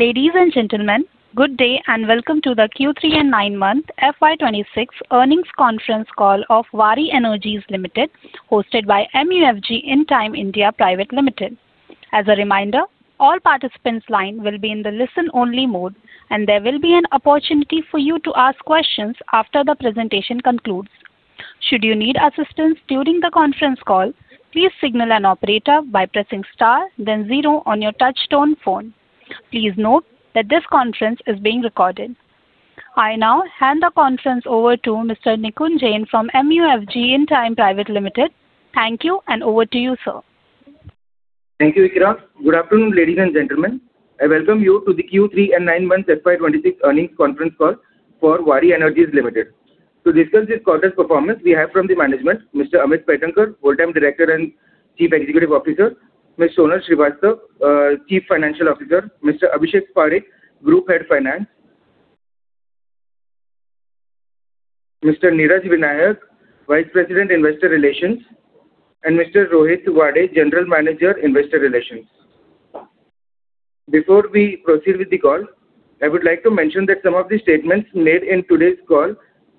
Ladies and gentlemen, good day and welcome to the Q3 and nine month FY26 earnings conference call of Waaree Energies Limited, hosted by MUFG Intime India Private Limited. As a reminder, all participants' lines will be in the listen-only mode, and there will be an opportunity for you to ask questions after the presentation concludes. Should you need assistance during the conference call, please signal an operator by pressing star, then zero on your touch-tone phone. Please note that this conference is being recorded. I now hand the conference over to Mr. Nikunj Jain from MUFG Intime Private Limited. Thank you, and over to you, sir. Thank you. Good afternoon, ladies and gentlemen. I welcome you to the Q3 and nine month FY26 earnings conference call for Waaree Energies Limited. To discuss this quarter's performance, we have from the management Mr. Amit Paithankar, Full-Time Director and Chief Executive Officer. Ms. Sonal Srivastava, Chief Financial Officer. Mr. Abhishek Parekh, Group Head Finance. Mr. Neeraj Vinayak, Vice President Investor Relations. And Mr. Rohit Wade, General Manager, Investor Relations. Before we proceed with the call, I would like to mention that some of the statements made in today's call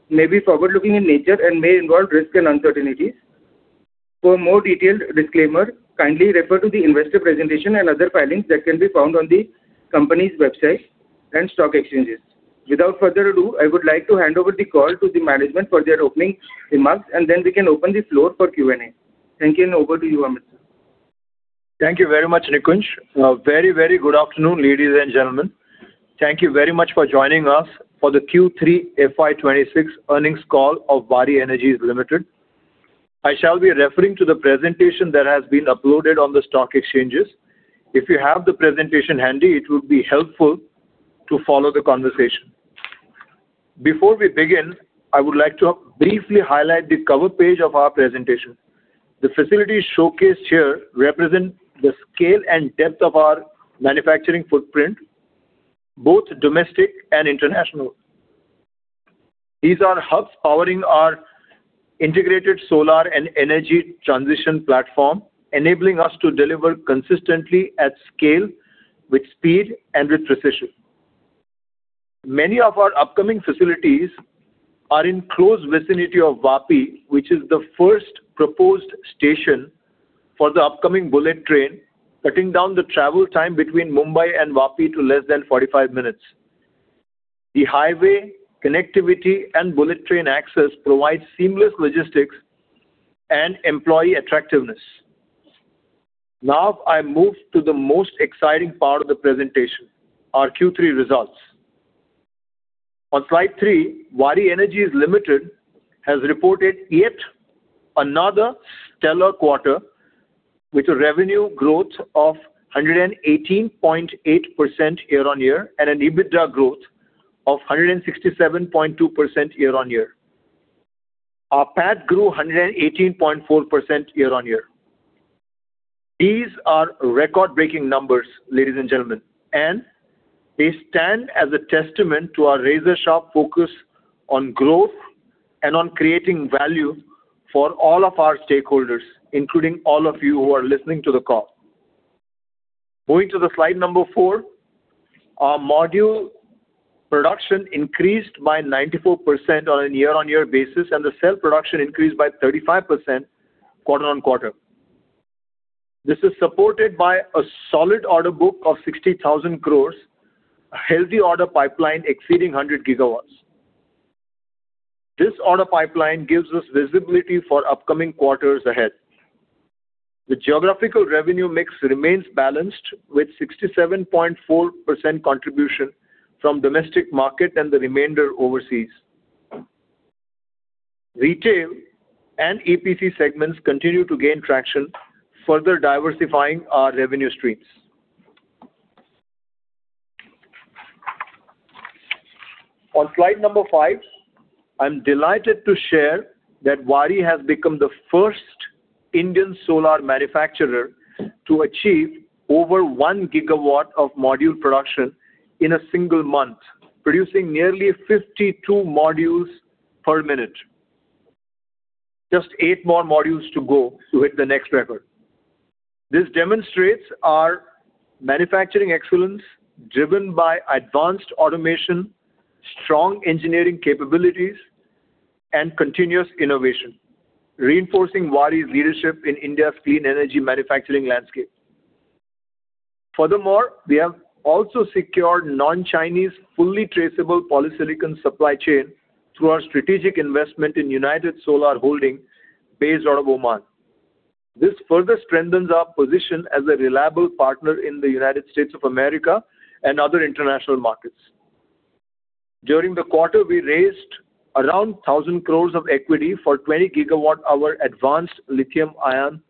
may be forward-looking in nature and may involve risk and uncertainties. For a more detailed disclaimer, kindly refer to the investor presentation and other filings that can be found on the company's website and stock exchanges. Without further ado, I would like to hand over the call to the management for their opening remarks, and then we can open the floor for Q&A. Thank you, and over to you, Amit. Thank you very much, Nikunj. Very, very good afternoon, ladies and gentlemen. Thank you very much for joining us for the Q3 FY26 earnings call of Waaree Energies Limited. I shall be referring to the presentation that has been uploaded on the stock exchanges. If you have the presentation handy, it would be helpful to follow the conversation. Before we begin, I would like to briefly highlight the cover page of our presentation. The facilities showcased here represent the scale and depth of our manufacturing footprint, both domestic and international. These are hubs powering our integrated solar and energy transition platform, enabling us to deliver consistently at scale, with speed, and with precision. Many of our upcoming facilities are in close vicinity of Vapi, which is the first proposed station for the upcoming bullet train, cutting down the travel time between Mumbai and Vapi to less than 45 minutes. The highway connectivity and bullet train access provide seamless logistics and employee attractiveness. Now, I move to the most exciting part of the presentation, our Q3 results. On slide three, Waaree Energies Limited has reported yet another stellar quarter, with a revenue growth of 118.8% year-on-year and an EBITDA growth of 167.2% year-on-year. Our PAT grew 118.4% year-on-year. These are record-breaking numbers, ladies and gentlemen, and they stand as a testament to our razor-sharp focus on growth and on creating value for all of our stakeholders, including all of you who are listening to the call. Moving to the slide number four, our module production increased by 94% on a year-on-year basis, and the cell production increased by 35% quarter-on-quarter. This is supported by a solid order book of 60,000 crores, a healthy order pipeline exceeding 100 GW. This order pipeline gives us visibility for upcoming quarters ahead. The geographical revenue mix remains balanced, with 67.4% contribution from the domestic market and the remainder overseas. Retail and EPC segments continue to gain traction, further diversifying our revenue streams. On slide number five, I'm delighted to share that Waaree has become the first Indian solar manufacturer to achieve over 1-GW of module production in a single month, producing nearly 52 modules per minute. Just eight more modules to go to hit the next record. This demonstrates our manufacturing excellence driven by advanced automation, strong engineering capabilities, and continuous innovation, reinforcing Waaree's leadership in India's clean energy manufacturing landscape. Furthermore, we have also secured non-Chinese fully traceable polysilicon supply chain through our strategic investment in United Solar Holdings, based out of Oman. This further strengthens our position as a reliable partner in the United States of America and other international markets. During the quarter, we raised around 1,000 crores of equity for a 20 GW-hour advanced lithium-ion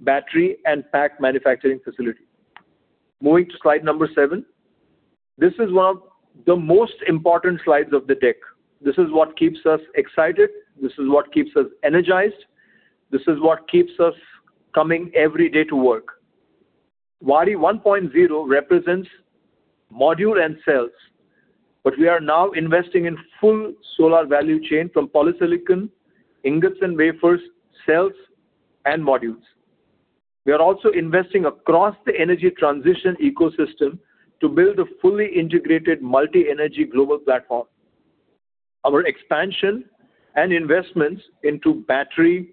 battery and pack manufacturing facility. Moving to slide number seven, this is one of the most important slides of the deck. This is what keeps us excited. This is what keeps us energized. This is what keeps us coming every day to work. Waaree 1.0 represents module and cells, but we are now investing in full solar value chain from polysilicon, ingots, and wafers, cells, and modules. We are also investing across the energy transition ecosystem to build a fully integrated multi-energy global platform. Our expansion and investments into battery,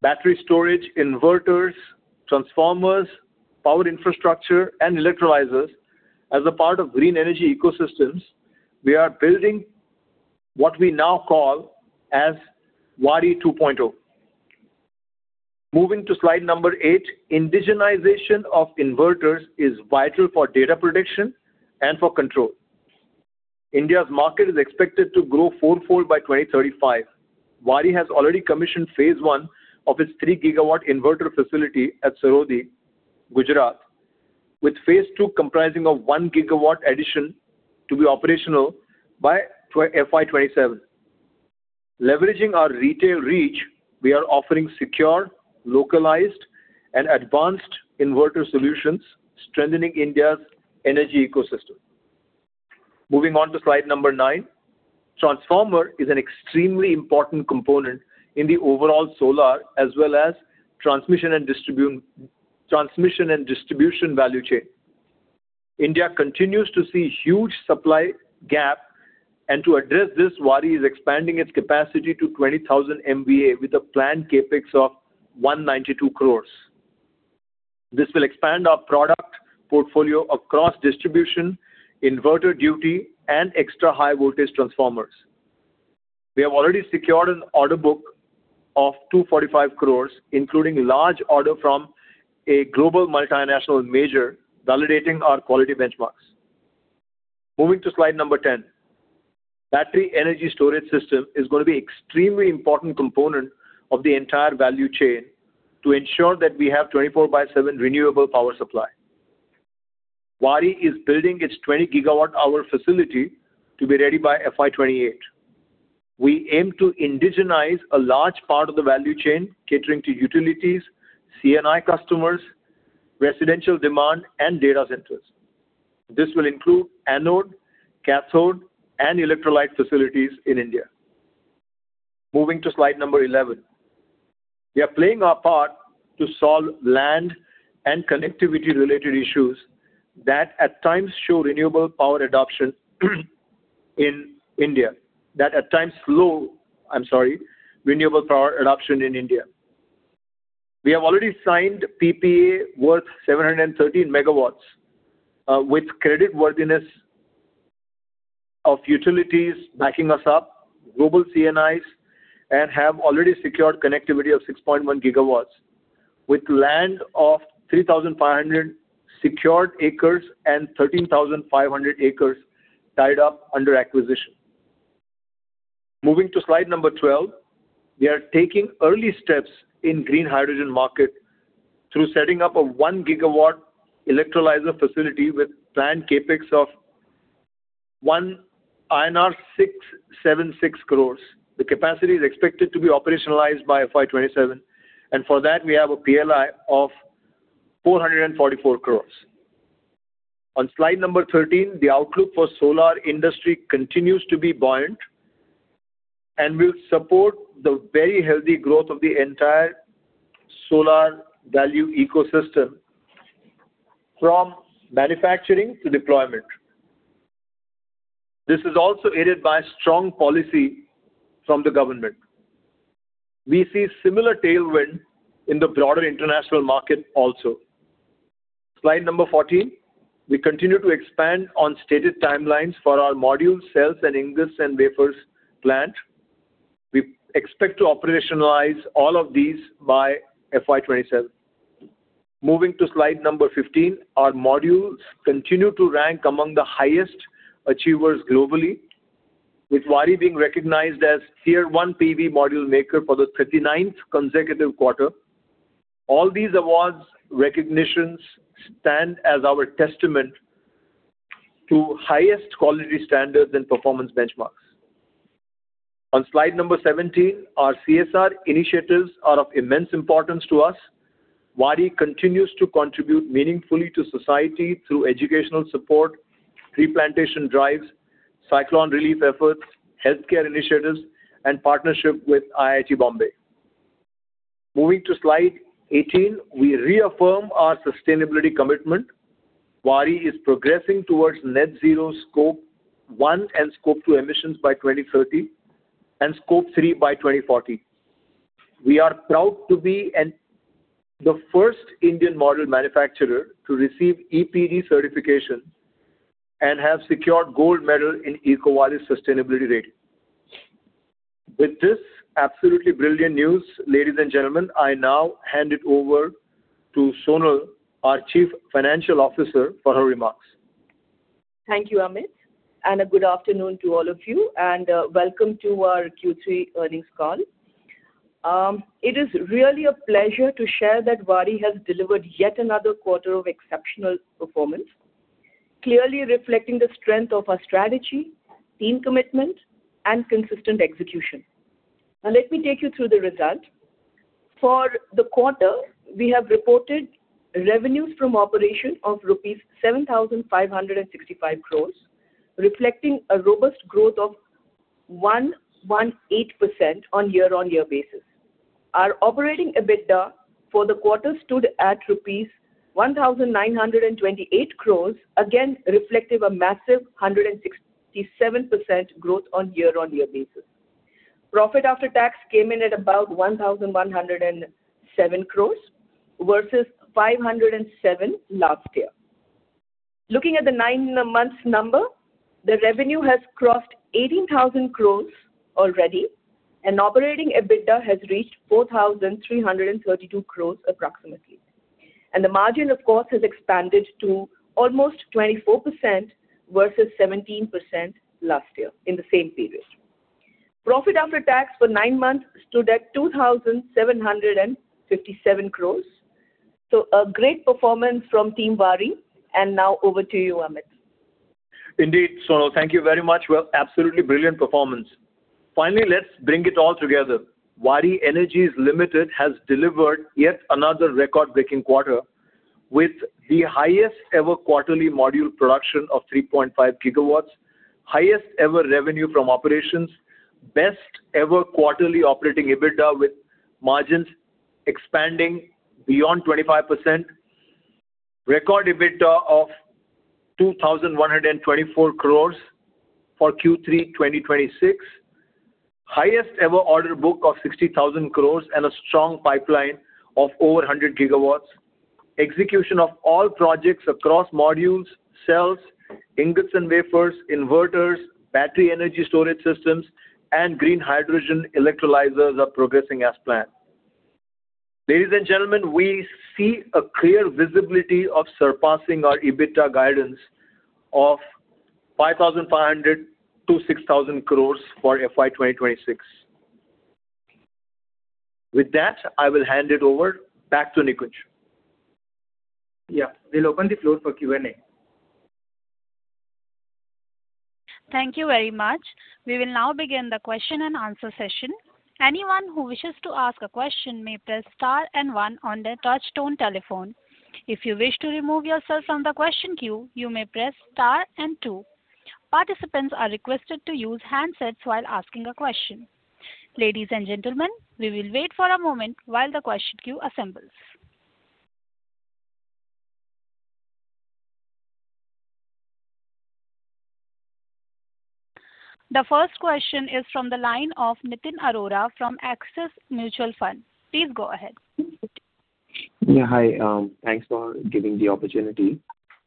battery storage, inverters, transformers, power infrastructure, and electrolyzers, as a part of green energy ecosystems, we are building what we now call as Waaree 2.0. Moving to slide number eight, indigenization of inverters is vital for data protection and for control. India's market is expected to grow fourfold by 2035. Waaree has already commissioned phase one of its 3-GW inverter facility at Sarodhi, Gujarat, with phase two comprising a 1-GW addition to be operational by FY27. Leveraging our retail reach, we are offering secure, localized, and advanced inverter solutions, strengthening India's energy ecosystem. Moving on to slide number 9, transformer is an extremely important component in the overall solar, as well as transmission and distribution value chain. India continues to see huge supply gap, and to address this, Waaree is expanding its capacity to 20,000 MVA with a planned CapEx of 192 crores. This will expand our product portfolio across distribution, inverter duty, and extra high-voltage transformers. We have already secured an order book of 245 crores, including a large order from a global multinational major, validating our quality benchmarks. Moving to slide number ten, battery energy storage system is going to be an extremely important component of the entire value chain to ensure that we have a 24-by-7 renewable power supply. Waaree is building its 20 GW-hour facility to be ready by FY28. We aim to indigenize a large part of the value chain, catering to utilities, C&I customers, residential demand, and data centers. This will include anode, cathode, and electrolyte facilities in India. Moving to slide number 11, we are playing our part to solve land and connectivity-related issues that at times slow renewable power adoption in India. I'm sorry. We have already signed PPA worth 713 MW, with creditworthiness of utilities backing us up, global C&Is, and have already secured connectivity of 6.1 GW, with land of 3,500 secured acres and 13,500 acres tied up under acquisition. Moving to slide number 12, we are taking early steps in the green hydrogen market through setting up a 1-GW electrolyzer facility with planned CapEx of 676 crores. The capacity is expected to be operationalized by FY27, and for that, we have a PLI of 444 crores. On slide number 13, the outlook for the solar industry continues to be buoyant and will support the very healthy growth of the entire solar value ecosystem from manufacturing to deployment. This is also aided by strong policy from the government. We see similar tailwind in the broader international market also. Slide number 14, we continue to expand on stated timelines for our module cells and ingots and wafers plant. We expect to operationalize all of these by FY27. Moving to slide number 15, our modules continue to rank among the highest achievers globally, with Waaree being recognized as Tier 1 PV module maker for the 39th consecutive quarter. All these awards recognitions stand as our testament to the highest quality standards and performance benchmarks. On slide number 17, our CSR initiatives are of immense importance to us. Waaree continues to contribute meaningfully to society through educational support, replantation drives, cyclone relief efforts, healthcare initiatives, and partnership with IIT Bombay. Moving to slide 18, we reaffirm our sustainability commitment. Waaree is progressing towards net zero Scope 1 and Scope 2 emissions by 2030 and Scope 3 by 2040. We are proud to be the first Indian module manufacturer to receive EPEAT certification and have secured a gold medal in the EcoVadis Sustainability Rating. With this absolutely brilliant news, ladies and gentlemen, I now hand it over to Sonal, our Chief Financial Officer, for her remarks. Thank you, Amit, and a good afternoon to all of you, and welcome to our Q3 earnings call. It is really a pleasure to share that Waaree has delivered yet another quarter of exceptional performance, clearly reflecting the strength of our strategy, team commitment, and consistent execution. Now, let me take you through the result. For the quarter, we have reported revenues from operations of ₹7,565 crores, reflecting a robust growth of 118% on a year-on-year basis. Our operating EBITDA for the quarter stood at ₹1,928 crores, again reflective of a massive 167% growth on a year-on-year basis. Profit after tax came in at about ₹1,107 crores versus ₹507 last year. Looking at the nine-month number, the revenue has crossed ₹18,000 crores already, and operating EBITDA has reached ₹4,332 crores approximately, and the margin, of course, has expanded to almost 24% versus 17% last year in the same period. Profit after tax for nine months stood at 2,757 crores. So, a great performance from Team Waaree. And now, over to you, Amit. Indeed, Sonal, thank you very much. Well, absolutely brilliant performance. Finally, let's bring it all together. Waaree Energies Limited has delivered yet another record-breaking quarter with the highest-ever quarterly module production of 3.5 GW, highest-ever revenue from operations, best-ever quarterly operating EBITDA with margins expanding beyond 25%, record EBITDA of ₹2,124 crores for Q3 2026, highest-ever order book of ₹60,000 crores, and a strong pipeline of over 100 GW. Execution of all projects across modules, cells, ingots and wafers, inverters, battery energy storage systems, and green hydrogen electrolyzers are progressing as planned. Ladies and gentlemen, we see a clear visibility of surpassing our EBITDA guidance of ₹5,500-₹6,000 crores for FY26. With that, I will hand it over back to Nikunj. Yeah, we'll open the floor for Q&A. Thank you very much. We will now begin the question and answer session. Anyone who wishes to ask a question may press star and one on their touchstone telephone. If you wish to remove yourself from the question queue, you may press star and two. Participants are requested to use handsets while asking a question. Ladies and gentlemen, we will wait for a moment while the question queue assembles. The first question is from the line of Nitin Arora from Axis Mutual Fund. Please go ahead. Yeah, hi. Thanks for giving the opportunity.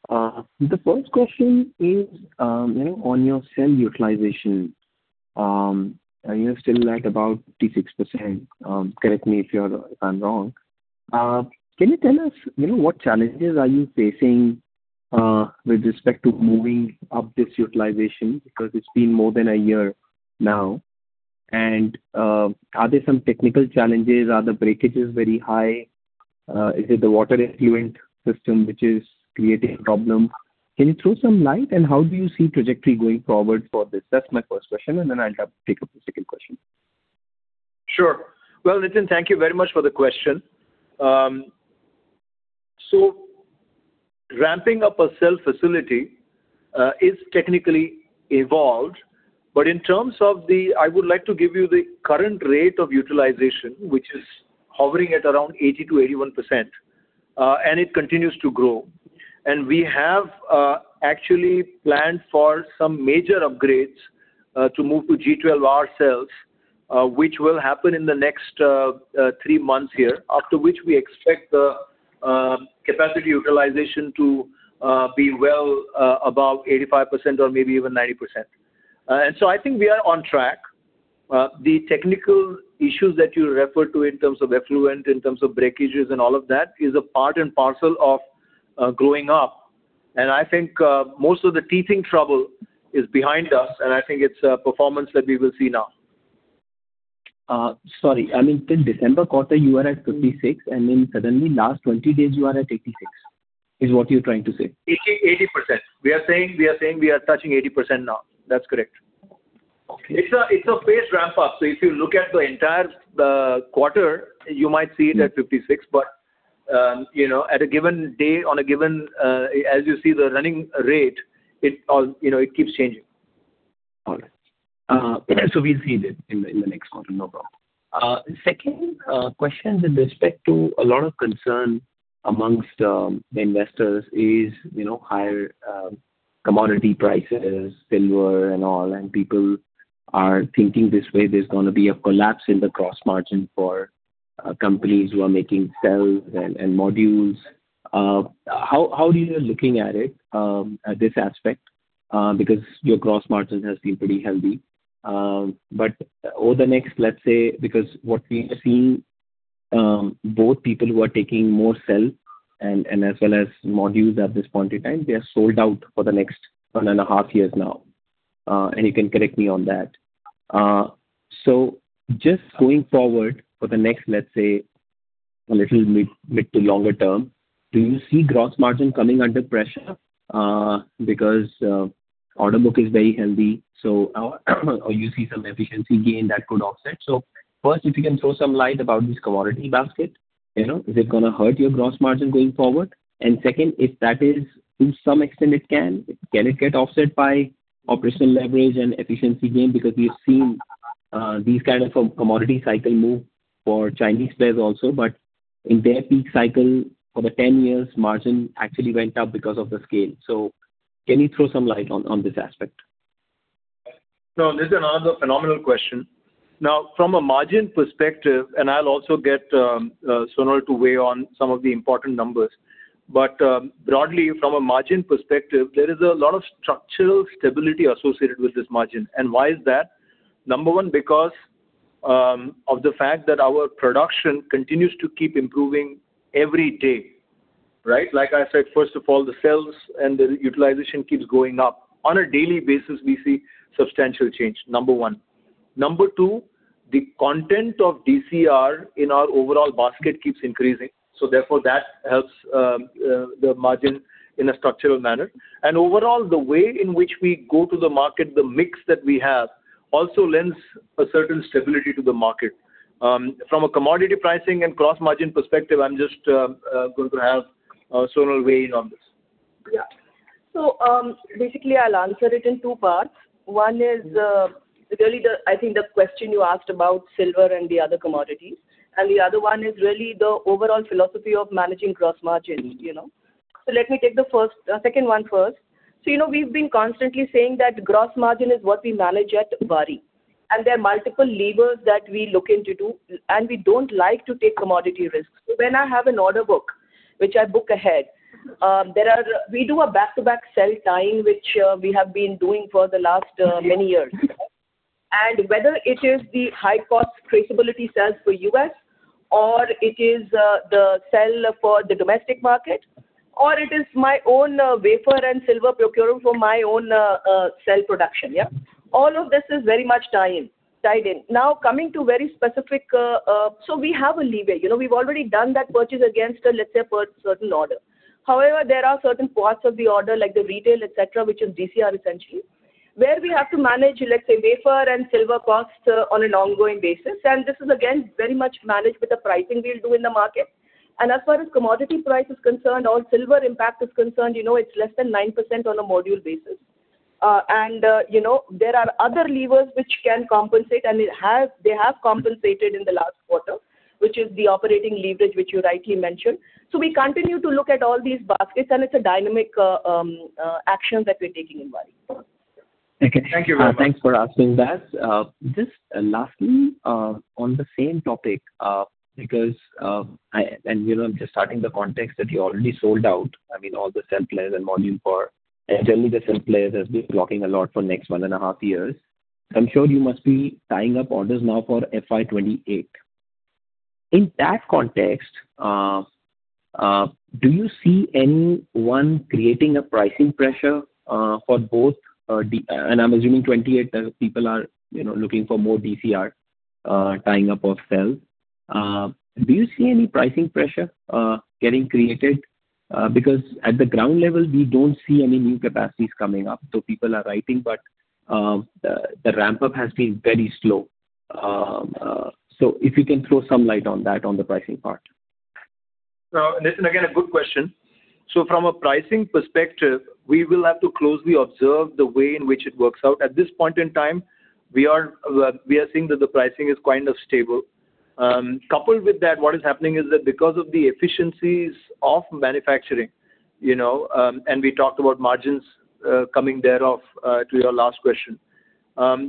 The first question is on your cell utilization. You're still at about 56%. Correct me if I'm wrong. Can you tell us what challenges are you facing with respect to moving up this utilization? Because it's been more than a year now. And are there some technical challenges? Are the breakages very high? Is it the water effluent system which is creating a problem? Can you throw some light? And how do you see the trajectory going forward for this? That's my first question, and then I'll take up the second question. Sure. Well, Nitin, thank you very much for the question. So, ramping up a cell facility is technically evolved, but in terms of the—I would like to give you the current rate of utilization, which is hovering at around 80%-81%, and it continues to grow. And we have actually planned for some major upgrades to move to G12R cells, which will happen in the next three months here, after which we expect the capacity utilization to be well above 85% or maybe even 90%. And so, I think we are on track. The technical issues that you refer to in terms of effluent, in terms of breakages, and all of that is a part and parcel of growing up. And I think most of the teething trouble is behind us, and I think it's a performance that we will see now. Sorry, I mean, in December quarter, you were at 56, and then suddenly, last 20 days, you are at 86, is what you're trying to say? 80%. We are saying we are touching 80% now. That's correct. It's a phased ramp-up. So, if you look at the entire quarter, you might see it at 56%, but at a given day, as you see the running rate, it keeps changing. All right. So, we'll see it in the next quarter. No problem. Second question with respect to a lot of concern among investors is higher commodity prices, silver, and all, and people are thinking this way there's going to be a collapse in the gross margin for companies who are making cells and modules. How are you looking at it, this aspect? Because your gross margin has been pretty healthy. But over the next, let's say, because what we have seen, both people who are taking more cells and as well as modules at this point in time, they are sold out for the next one and a half years now, and you can correct me on that. So, just going forward for the next, let's say, a little mid to longer term, do you see gross margin coming under pressure? Because the order book is very healthy, or you see some efficiency gain that could offset? So, first, if you can throw some light about this commodity basket, is it going to hurt your gross margin going forward? And second, if that is, to some extent, it can, can it get offset by operational leverage and efficiency gain? Because we've seen these kinds of commodity cycle move for Chinese players also, but in their peak cycle for the 10 years, margin actually went up because of the scale. So, can you throw some light on this aspect? So, Nitin, another phenomenal question. Now, from a margin perspective, and I'll also get Sonal to weigh in on some of the important numbers, but broadly, from a margin perspective, there is a lot of structural stability associated with this margin. And why is that? Number one, because of the fact that our production continues to keep improving every day, right? Like I said, first of all, the cells and the utilization keeps going up. On a daily basis, we see substantial change, number one. Number two, the content of DCR in our overall basket keeps increasing. So, therefore, that helps the margin in a structural manner. And overall, the way in which we go to the market, the mix that we have also lends a certain stability to the market. From a commodity pricing and gross margin perspective, I'm just going to have Sonal weigh in on this. Yeah. So, basically, I'll answer it in two parts. One is really, I think, the question you asked about silver and the other commodities. And the other one is really the overall philosophy of managing gross margins. So, let me take the second one first. So, we've been constantly saying that gross margin is what we manage at Waaree, and there are multiple levers that we look into. And we don't like to take commodity risks. So, when I have an order book, which I book ahead, we do a back-to-back cell tying, which we have been doing for the last many years. And whether it is the high-cost traceability cells for the US, or it is the cell for the domestic market, or it is my own wafer and silver procurement for my own cell production, yeah, all of this is very much tied in. Now, coming to very specific, so we have a leeway. We've already done that purchase against a, let's say, a certain order. However, there are certain parts of the order, like the retail, etc., which is DCR essentially, where we have to manage, let's say, wafer and silver costs on an ongoing basis, and this is, again, very much managed with the pricing we'll do in the market, and as far as commodity price is concerned or silver impact is concerned, it's less than 9% on a module basis, and there are other levers which can compensate, and they have compensated in the last quarter, which is the operating leverage, which you rightly mentioned, so we continue to look at all these baskets, and it's a dynamic action that we're taking in Waaree. Okay. Thank you very much. Thanks for asking that. Just lastly, on the same topic, because I'm just setting the context that you already sold out, I mean, all the cell players and modules for generally, the cell players have been booking a lot for the next one and a half years. I'm sure you must be tying up orders now for FY28. In that context, do you see anyone creating a pricing pressure for both? And I'm assuming FY28, people are looking for more DCR tying up of cells. Do you see any pricing pressure getting created? Because at the ground level, we don't see any new capacities coming up. So, people are waiting, but the ramp-up has been very slow. So, if you can throw some light on that, on the pricing part. So, Nitin, again, a good question. So, from a pricing perspective, we will have to closely observe the way in which it works out. At this point in time, we are seeing that the pricing is kind of stable. Coupled with that, what is happening is that because of the efficiencies of manufacturing, and we talked about margins coming thereof to your last question,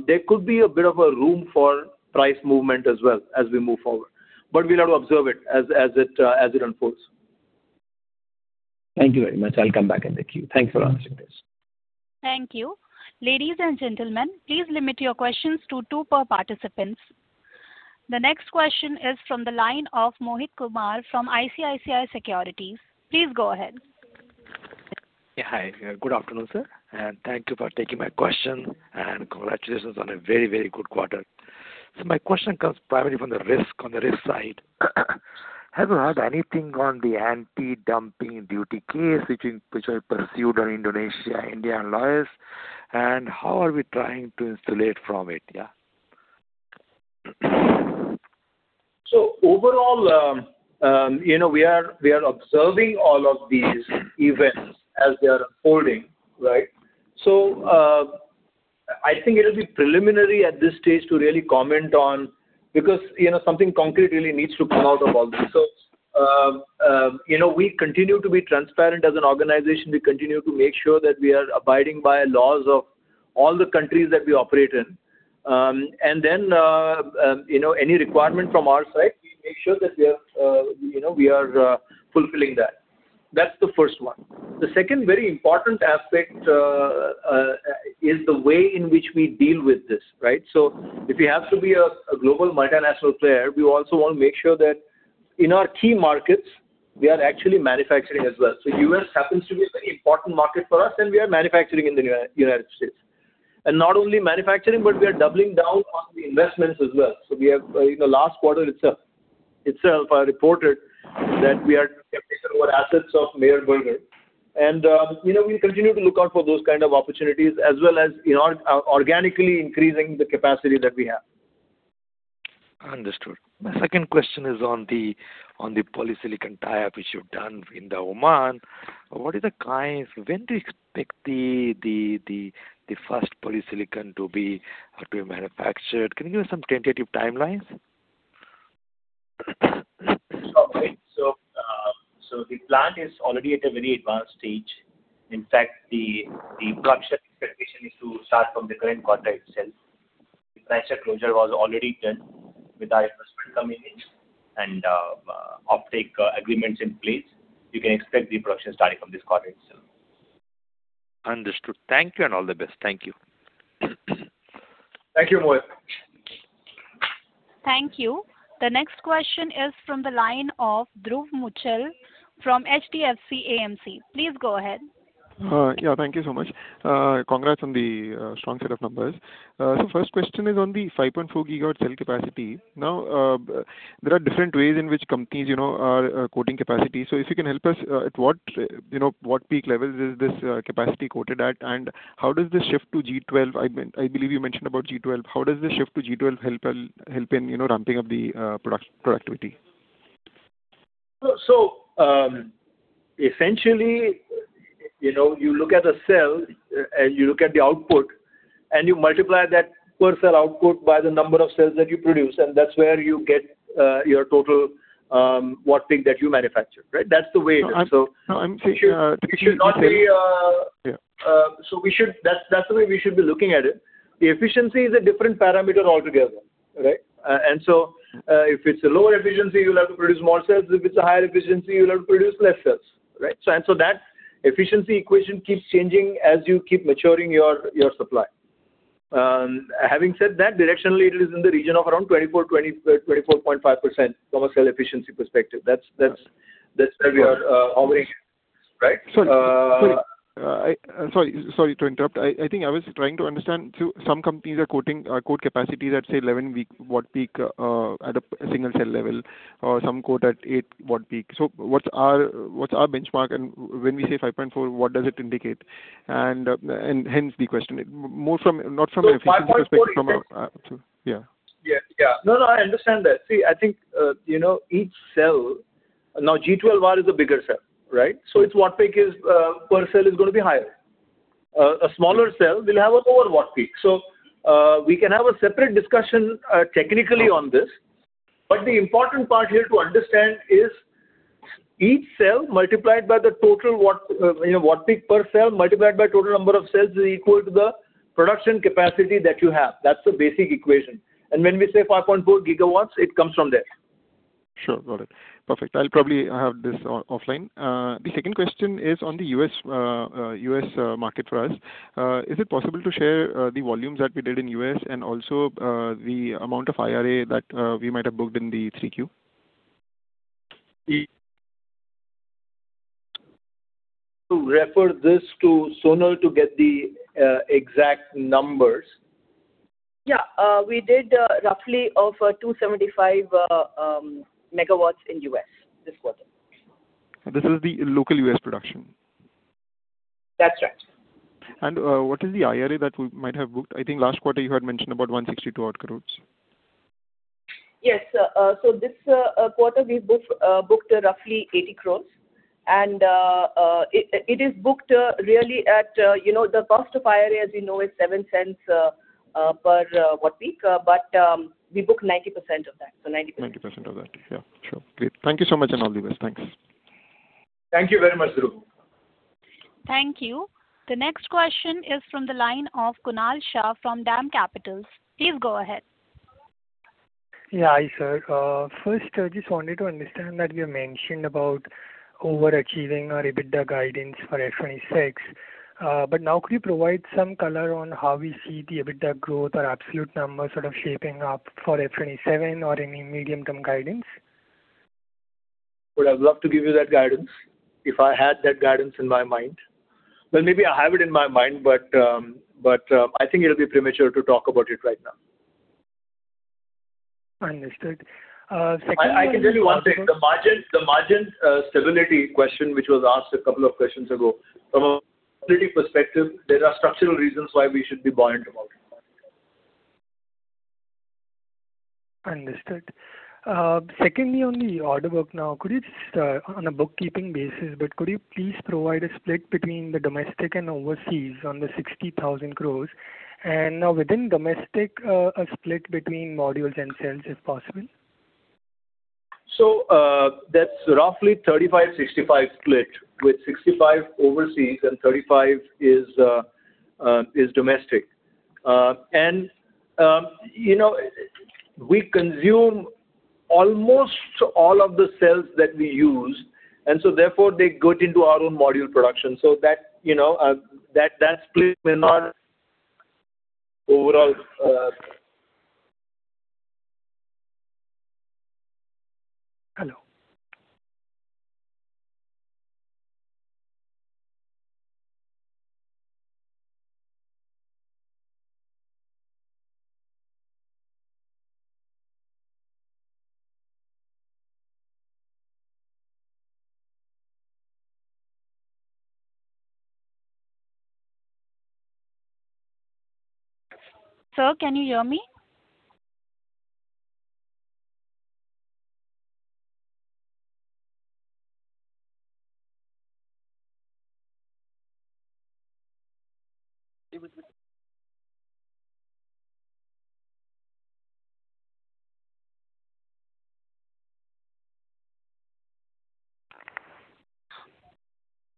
there could be a bit of a room for price movement as well as we move forward. But we'll have to observe it as it unfolds. Thank you very much. I'll come back in the queue. Thanks for answering this. Thank you. Ladies and gentlemen, please limit your questions to two per participants. The next question is from the line of Mohit Kumar from ICICI Securities. Please go ahead. Yeah, hi. Good afternoon, sir, and thank you for taking my question, and congratulations on a very, very good quarter, so my question comes primarily from the risk on the risk side. Have you heard anything on the anti-dumping duty case which was pursued on Indonesia, India, and Laos? And how are we trying to insulate from it? Yeah. So, overall, we are observing all of these events as they are unfolding, right? So, I think it'll be preliminary at this stage to really comment on because something concrete really needs to come out of all this. So, we continue to be transparent as an organization. We continue to make sure that we are abiding by laws of all the countries that we operate in. And then, any requirement from our side, we make sure that we are fulfilling that. That's the first one. The second very important aspect is the way in which we deal with this, right? So, if you have to be a global multinational player, we also want to make sure that in our key markets, we are actually manufacturing as well. So, U.S. happens to be a very important market for us, and we are manufacturing in the United States. And not only manufacturing, but we are doubling down on the investments as well. So, we have last quarter itself, I reported that we are accepting some more assets of Meyer Burger. And we'll continue to look out for those kinds of opportunities, as well as organically increasing the capacity that we have. Understood. My second question is on the polysilicon tie-up which you've done in Oman. What are the kinds? When do you expect the first polysilicon to be manufactured? Can you give us some tentative timelines? The plant is already at a very advanced stage. In fact, the production expectation is to start from the current quarter itself. The financial closure was already done with our investment coming in and offtake agreements in place. You can expect the production starting from this quarter itself. Understood. Thank you and all the best. Thank you. Thank you, Mohit. Thank you. The next question is from the line of Dhruv Muchhal from HDFC AMC. Please go ahead. Yeah, thank you so much. Congrats on the strong set of numbers. So, first question is on the 5.4 GW cell capacity. Now, there are different ways in which companies are quoting capacity. So, if you can help us, at what peak level is this capacity quoted at, and how does the shift to G12? I believe you mentioned about G12. How does the shift to G12 help in ramping up the productivity? So, essentially, you look at a cell, and you look at the output, and you multiply that per cell output by the number of cells that you produce, and that's where you get your total watt peak that you manufacture, right? That's the way it is. So, that's the way we should be looking at it. The efficiency is a different parameter altogether, right? And so, if it's a lower efficiency, you'll have to produce more cells. If it's a higher efficiency, you'll have to produce less cells, right? And so, that efficiency equation keeps changing as you keep maturing your supply. Having said that, directionally, it is in the region of around 24.5% from a cell efficiency perspective. That's where we are hovering, right? Sorry. Sorry to interrupt. I think I was trying to understand. Some companies are quoting quote capacity at, say, 11 watt peak at a single cell level, or some quote at eight watt peak. So, what's our benchmark, and when we say 5.4, what does it indicate? And hence the question, not from an efficiency perspective, from a, yeah. Yeah. Yeah. No, no, I understand that. See, I think each cell. Now, G12 wafer is a bigger cell, right? So, its watt peak per cell is going to be higher. A smaller cell will have a lower watt peak. So, we can have a separate discussion technically on this. But the important part here to understand is each cell multiplied by the total watt peak per cell multiplied by total number of cells is equal to the production capacity that you have. That's the basic equation and when we say 5.4 GW, it comes from there. Sure. Got it. Perfect. I'll probably have this offline. The second question is on the U.S. market for us. Is it possible to share the volumes that we did in U.S. and also the amount of IRA that we might have booked in the 3Q? To refer this to Sonal to get the exact numbers? Yeah. We did roughly of 275 MW in U.S. this quarter. This is the local U.S. production? That's right. What is the IRA that we might have booked? I think last quarter you had mentioned about 162 crores. Yes. So, this quarter we booked roughly 80 crores. And it is booked really at the cost of IRA, as you know, is $0.07 per watt peak, but we book 90% of that. So, 90%. 90% of that. Yeah. Sure. Great. Thank you so much and all the best. Thanks. Thank you very much, Dhruv. Thank you. The next question is from the line of Kunal Shah from DAM Capital. Please go ahead. Yeah, hi, sir. First, I just wanted to understand that you mentioned about overachieving or EBITDA guidance for FY26. But now, could you provide some color on how we see the EBITDA growth or absolute numbers sort of shaping up for FY27 or any medium-term guidance? Well, I'd love to give you that guidance if I had that guidance in my mind. Well, maybe I have it in my mind, but I think it'll be premature to talk about it right now. Understood. I can tell you one thing. The margin stability question, which was asked a couple of questions ago, from a stability perspective, there are structural reasons why we should be buoyant about it. Understood. Secondly, on the order book now, on a book basis, but could you please provide a split between the domestic and overseas on the 60,000 crores? And now, within domestic, a split between modules and cells if possible? So, that's roughly 35-65 split, with 65 overseas and 35 is domestic. And we consume almost all of the cells that we use, and so, therefore, they go into our own module production. So, that split may not overall. Hello. Sir, can you hear me?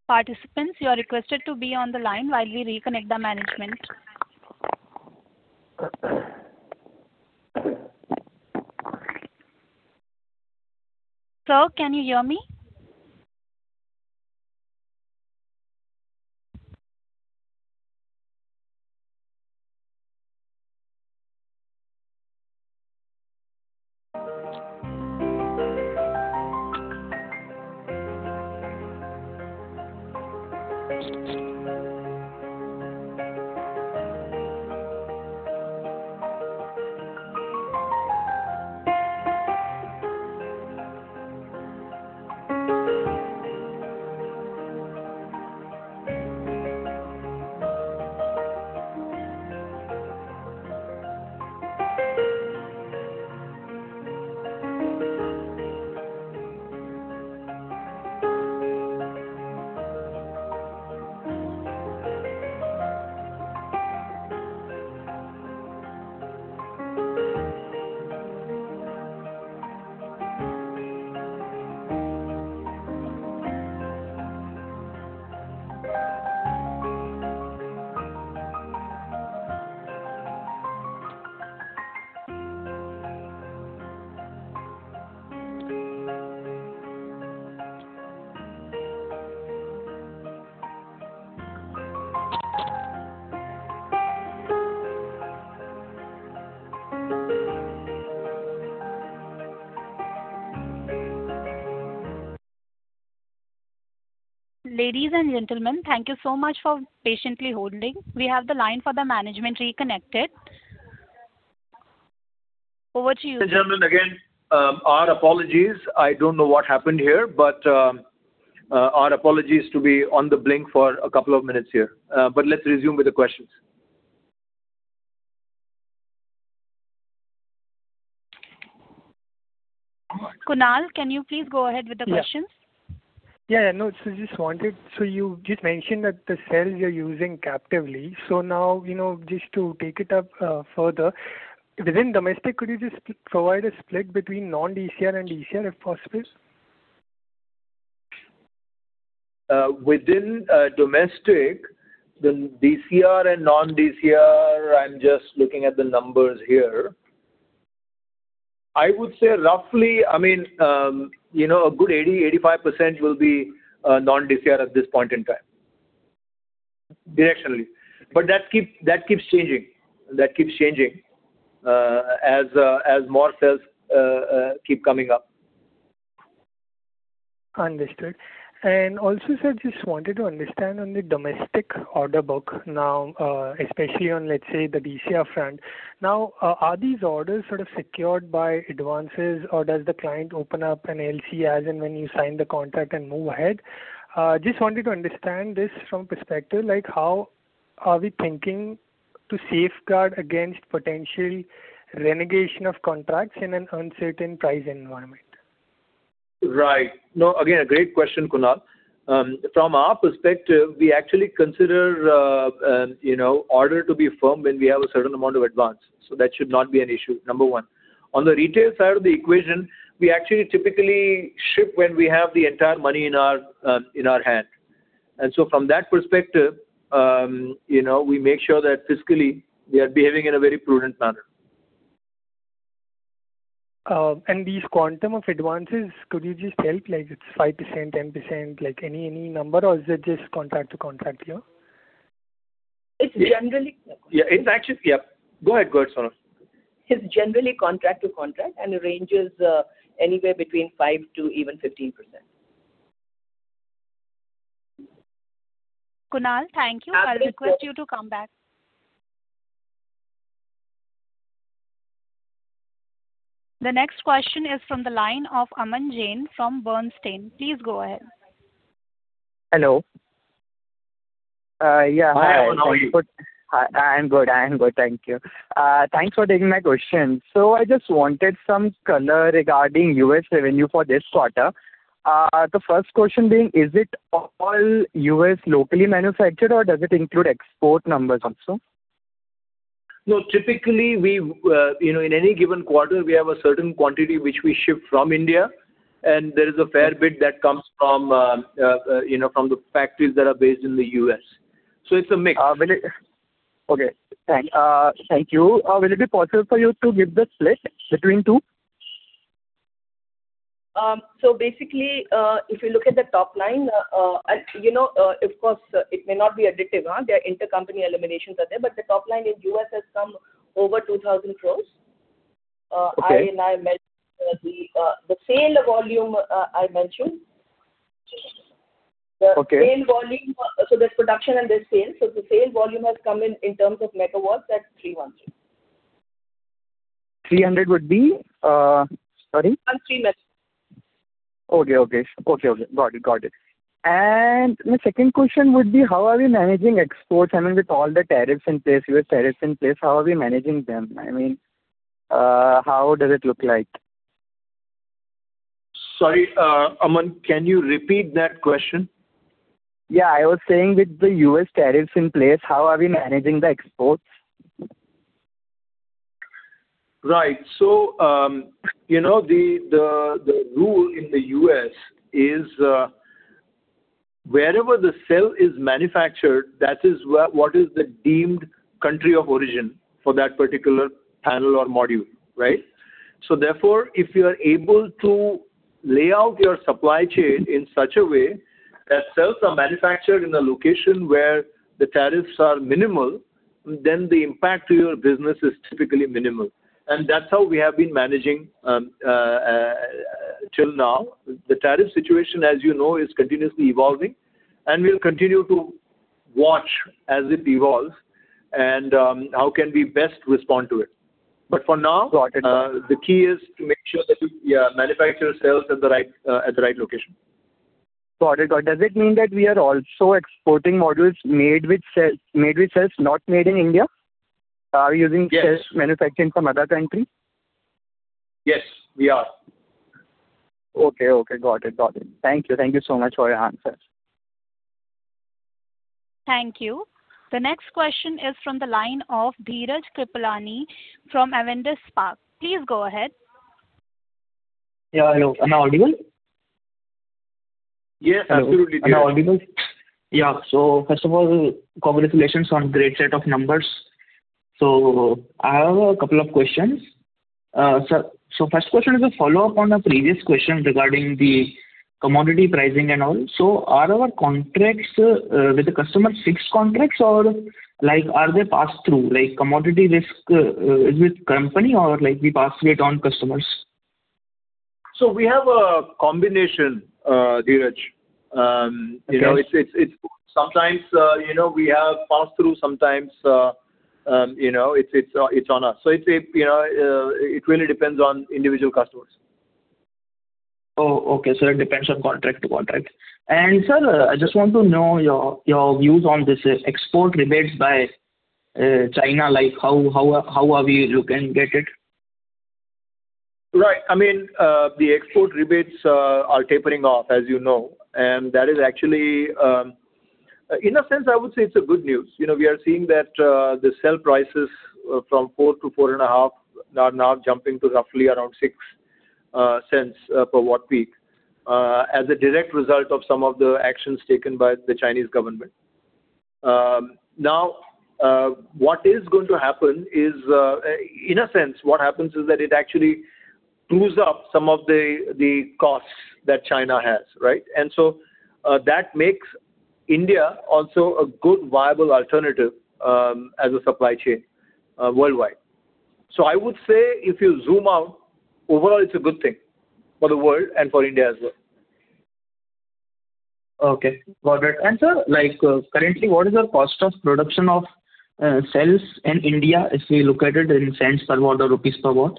Participants, you are requested to be on the line while we reconnect the management. Sir, can you hear me? Ladies and gentlemen, thank you so much for patiently holding. We have the line for the management reconnected. Over to you. Gentlemen, again, our apologies. I don't know what happened here, but our apologies to be on the blink for a couple of minutes here. But let's resume with the questions. Kunal, can you please go ahead with the questions? Yeah. No, so you just mentioned that the cells you're using captively. So now, just to take it up further, within domestic, could you just provide a split between non-DCR and DCR if possible? Within domestic, the DCR and non-DCR, I'm just looking at the numbers here. I would say roughly, I mean, a good 80%-85% will be non-DCR at this point in time, directionally. But that keeps changing. That keeps changing as more cells keep coming up. Understood. And also, sir, just wanted to understand on the domestic order book now, especially on, let's say, the DCR front. Now, are these orders sort of secured by advances, or does the client open up an LC as and when you sign the contract and move ahead? Just wanted to understand this from perspective, like how are we thinking to safeguard against potential renegotiation of contracts in an uncertain price environment? Right. No, again, a great question, Kunal. From our perspective, we actually consider order to be firm when we have a certain amount of advance. So that should not be an issue, number one. On the retail side of the equation, we actually typically ship when we have the entire money in our hand. And so, from that perspective, we make sure that fiscally we are behaving in a very prudent manner. These quantum of advances, could you just tell it's 5%, 10%, any number, or is it just contract to contract here? It's generally— Yeah. Go ahead, go ahead, Sonal. It's generally contract to contract and ranges anywhere between 5% to even 15%. Kunal, thank you. I'll request you to come back. The next question is from the line of Aman Jain from Bernstein. Please go ahead. Hello. Yeah. I'm good. I'm good. Thank you. Thanks for taking my question. So I just wanted some color regarding U.S. revenue for this quarter. The first question being, is it all U.S. locally manufactured, or does it include export numbers also? No, typically, in any given quarter, we have a certain quantity which we ship from India, and there is a fair bit that comes from the factories that are based in the U.S. So it's a mix. Okay. Thank you. Will it be possible for you to give the split between two? So basically, if you look at the top line, of course, it may not be additive. There are intercompany eliminations out there, but the top line in the U.S. has come over 2,000 crores. And I mentioned the sales volume I mentioned. So there's production and there's sales. So the sales volume has come in terms of MW, that's 313. 300 would be? Sorry? 313. Okay. Got it. And my second question would be, how are we managing exports? I mean, with all the tariffs in place, US tariffs in place, how are we managing them? I mean, how does it look like? Sorry, Aman, can you repeat that question? Yeah. I was saying with the U.S. tariffs in place, how are we managing the exports? Right. So the rule in the U.S. is wherever the cell is manufactured, that is what is the deemed country of origin for that particular panel or module, right? So therefore, if you are able to lay out your supply chain in such a way that cells are manufactured in a location where the tariffs are minimal, then the impact to your business is typically minimal. And that's how we have been managing till now. The tariff situation, as you know, is continuously evolving, and we'll continue to watch as it evolves and how can we best respond to it. But for now, the key is to make sure that we manufacture cells at the right location. Got it. Got it. Does it mean that we are also exporting modules made with cells, not made in India? Are we using cells manufactured in some other country? Yes, we are. Okay. Okay. Got it. Got it. Thank you. Thank you so much for your answers. Thank you. The next question is from the line of Dheeraj Kripalani from Avendus Spark. Please go ahead. Yeah. Hello. An audience? Yes. Absolutely. An audience? Yeah. So first of all, congratulations on a great set of numbers. So I have a couple of questions. So first question is a follow-up on a previous question regarding the commodity pricing and all. So are our contracts with the customers fixed contracts, or are they passed through? Commodity risk is with the company, or we pass it on to customers? So we have a combination, Dheeraj. Sometimes we have passed through, sometimes it's on us. So it really depends on individual customers. Oh, okay. So it depends on contract to contract. And sir, I just want to know your views on this export rebates by China. How are we looking at it? Right. I mean, the export rebates are tapering off, as you know. That is actually, in a sense, I would say it's good news. We are seeing that the cell prices from four to four and a half are now jumping to roughly around six cents per watt peak as a direct result of some of the actions taken by the Chinese government. Now, what is going to happen is, in a sense, what happens is that it actually boosts up some of the costs that China has, right? So that makes India also a good viable alternative as a supply chain worldwide. I would say if you zoom out, overall, it's a good thing for the world and for India as well. Okay. Got it. And sir, currently, what is the cost of production of cells in India if we look at it in cents per watt or rupees per watt?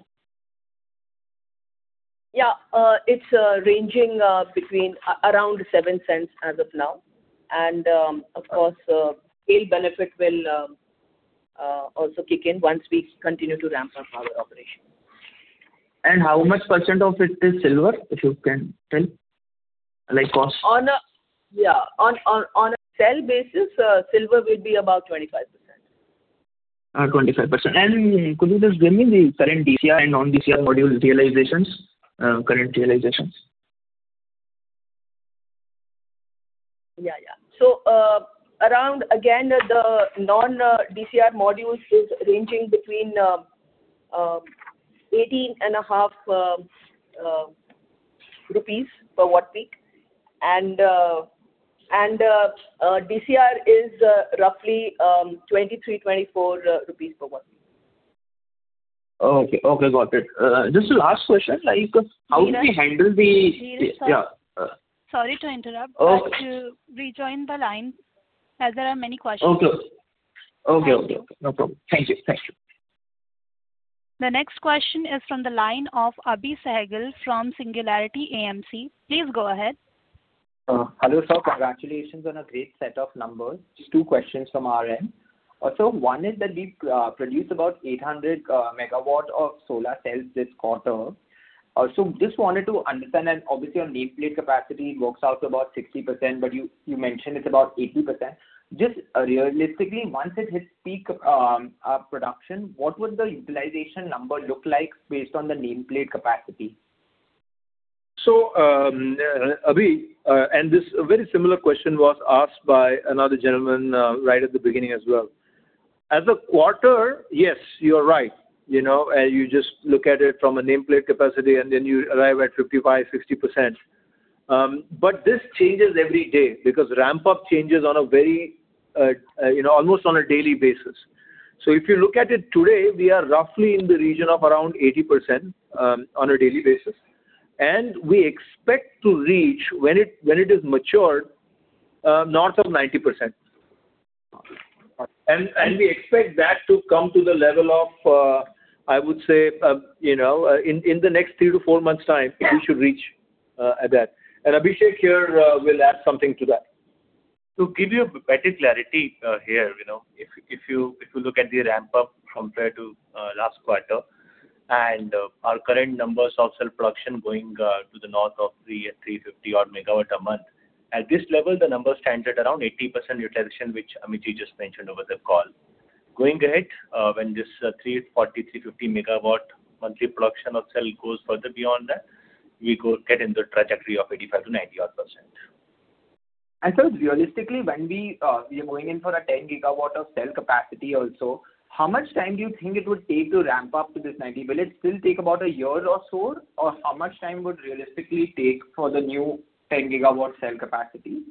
Yeah. It's ranging around $0.07 as of now. And of course, scale benefit will also kick in once we continue to ramp up our operation. How much % of it is silver, if you can tell? Like cost? Yeah. On a cell basis, silver will be about 25%. 25%. And could you just give me the current DCR and non-DCR module realizations, current realizations? Around, again, the non-DCR modules is ranging between INR 18.5 per watt peak. DCR is roughly 23-24 rupees per watt peak. Okay. Got it. Just a last question. How do we handle the yeah. Sorry to interrupt. To rejoin the line as there are many questions. Okay. No problem. Thank you. The next question is from the line of Avi Sehgal from Singularity AMC. Please go ahead. Hello, sir. Congratulations on a great set of numbers. Two questions from our end. So one is that we produced about 800 MW of solar cells this quarter. So just wanted to understand, and obviously, your nameplate capacity works out to about 60%, but you mentioned it's about 80%. Just realistically, once it hits peak production, what would the utilization number look like based on the nameplate capacity? So Abhi, and this very similar question was asked by another gentleman right at the beginning as well. As a quarter, yes, you're right. You just look at it from a nameplate capacity, and then you arrive at 55-60%. But this changes every day because ramp-up changes on a very almost on a daily basis. So if you look at it today, we are roughly in the region of around 80% on a daily basis. And we expect to reach, when it is matured, north of 90%. And we expect that to come to the level of, I would say, in the next three to four months' time, we should reach that. And Abhishek here will add something to that. To give you better clarity here, if you look at the ramp-up compared to last quarter and our current numbers of cell production going to the north of 350 MW a month, at this level, the number stands at around 80% utilization, which Amitji just mentioned over the call. Going ahead, when this 350 MW monthly production of cell goes further beyond that, we get in the trajectory of 85 to 90-odd %. Sir, realistically, when we are going in for a 10 GW of cell capacity also, how much time do you think it would take to ramp up to this 90? Will it still take about a year or so, or how much time would realistically take for the new 10 GW cell capacity?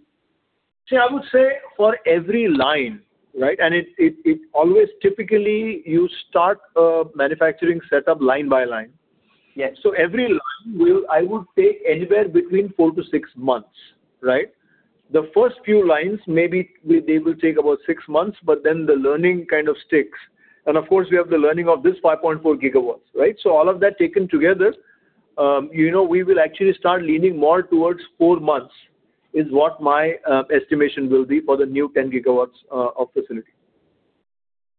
See, I would say for every line, right? And it always typically you start manufacturing setup line by line. So every line, I would say, anywhere between four to six months, right? The first few lines, maybe they will take about six months, but then the learning kind of sticks. And of course, we have the learning of this 5.4 GW, right? So all of that taken together, we will actually start leaning more towards four months is what my estimation will be for the new 10-GW facility.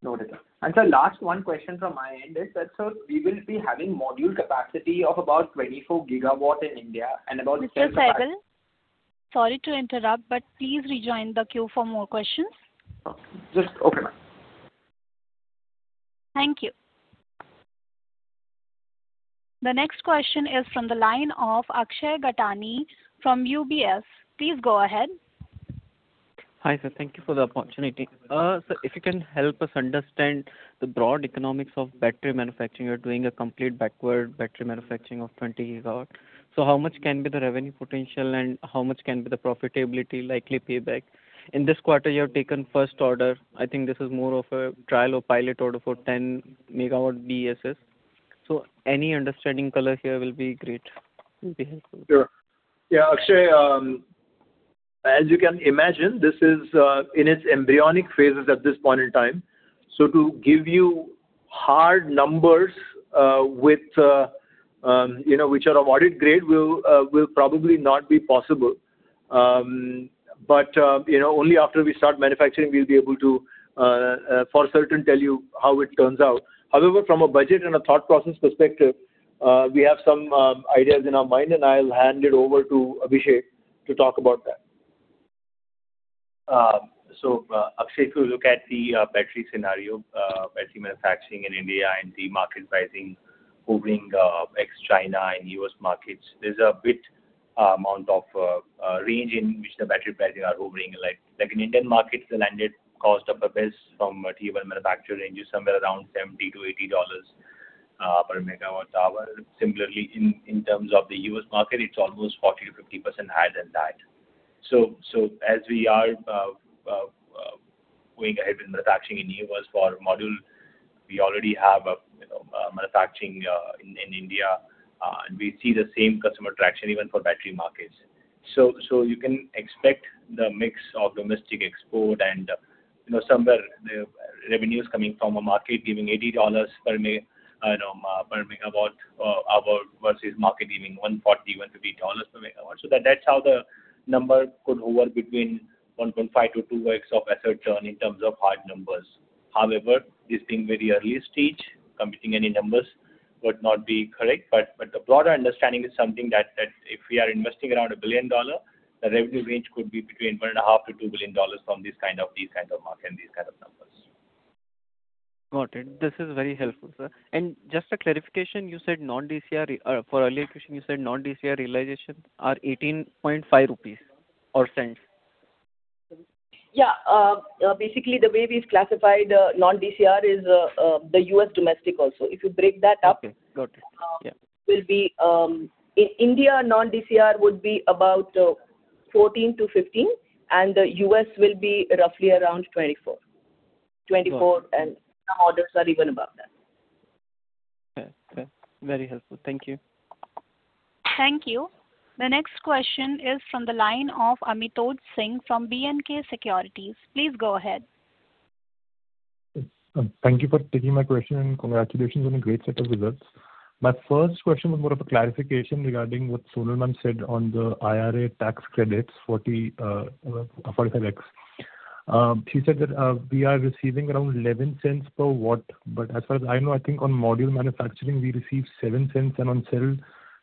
Noted. And sir, last one question from my end is that, sir, we will be having module capacity of about 24 GW in India and about cell capacity. Mr. Sehgal? Sorry to interrupt, but please rejoin the queue for more questions. Okay. Just okay. Thank you. The next question is from the line of Akshay Gattani from UBS. Please go ahead. Hi, sir. Thank you for the opportunity. Sir, if you can help us understand the broad economics of battery manufacturing, you're doing a complete backward battery manufacturing of 20 GW. So how much can be the revenue potential, and how much can be the profitability, likely payback? In this quarter, you have taken first order. I think this is more of a trial or pilot order for 10-MW BESS. So any understanding color here will be great. It will be helpful. Sure. Yeah. Akshay, as you can imagine, this is in its embryonic phases at this point in time. So to give you hard numbers which are of audit grade will probably not be possible. But only after we start manufacturing, we'll be able to, for certain, tell you how it turns out. However, from a budget and a thought process perspective, we have some ideas in our mind, and I'll hand it over to Abhishek to talk about that. So Akshay, if you look at the battery scenario, battery manufacturing in India and the market sizing hovering ex-China and US markets, there's a wide range in which the battery prices are hovering. Like in Indian markets, the landed cost of a BESS from T1 manufacturer ranges somewhere around $70-80 per megawatt hour. Similarly, in terms of the US market, it's almost 40%-50% higher than that. So as we are going ahead with manufacturing in the US for module, we already have manufacturing in India, and we see the same customer traction even for battery markets. So you can expect the mix of domestic export and somewhere the revenues coming from a market giving $80 per megawatt hour versus market giving $140150 per megawatt. So that's how the number could hover between 1.5 to 2x of asset churn in terms of hard numbers. However, this being very early stage, committing any numbers would not be correct. But the broader understanding is something that if we are investing around $1 billion, the revenue range could be between $1.5-$2 billion from these kind of market and these kind of numbers. Got it. This is very helpful, sir, and just a clarification, you said non-DCR for earlier question, you said non-DCR realization are 18.5 rupees or $0.185. Yeah. Basically, the way we've classified non-DCR is the U.S. domestic also. If you break that up, it will be in India, non-DCR would be about 14-15, and the U.S. will be roughly around 24. 24 and some orders are even above that. Okay. Okay. Very helpful. Thank you. Thank you. The next question is from the line of Amitoj Singh from BNK Securities. Please go ahead. Thank you for taking my question and congratulations on a great set of results. My first question was more of a clarification regarding what Sonal said on the IRA tax credits, 45X. She said that we are receiving around $0.11 per watt, but as far as I know, I think on module manufacturing, we receive $0.07, and on cell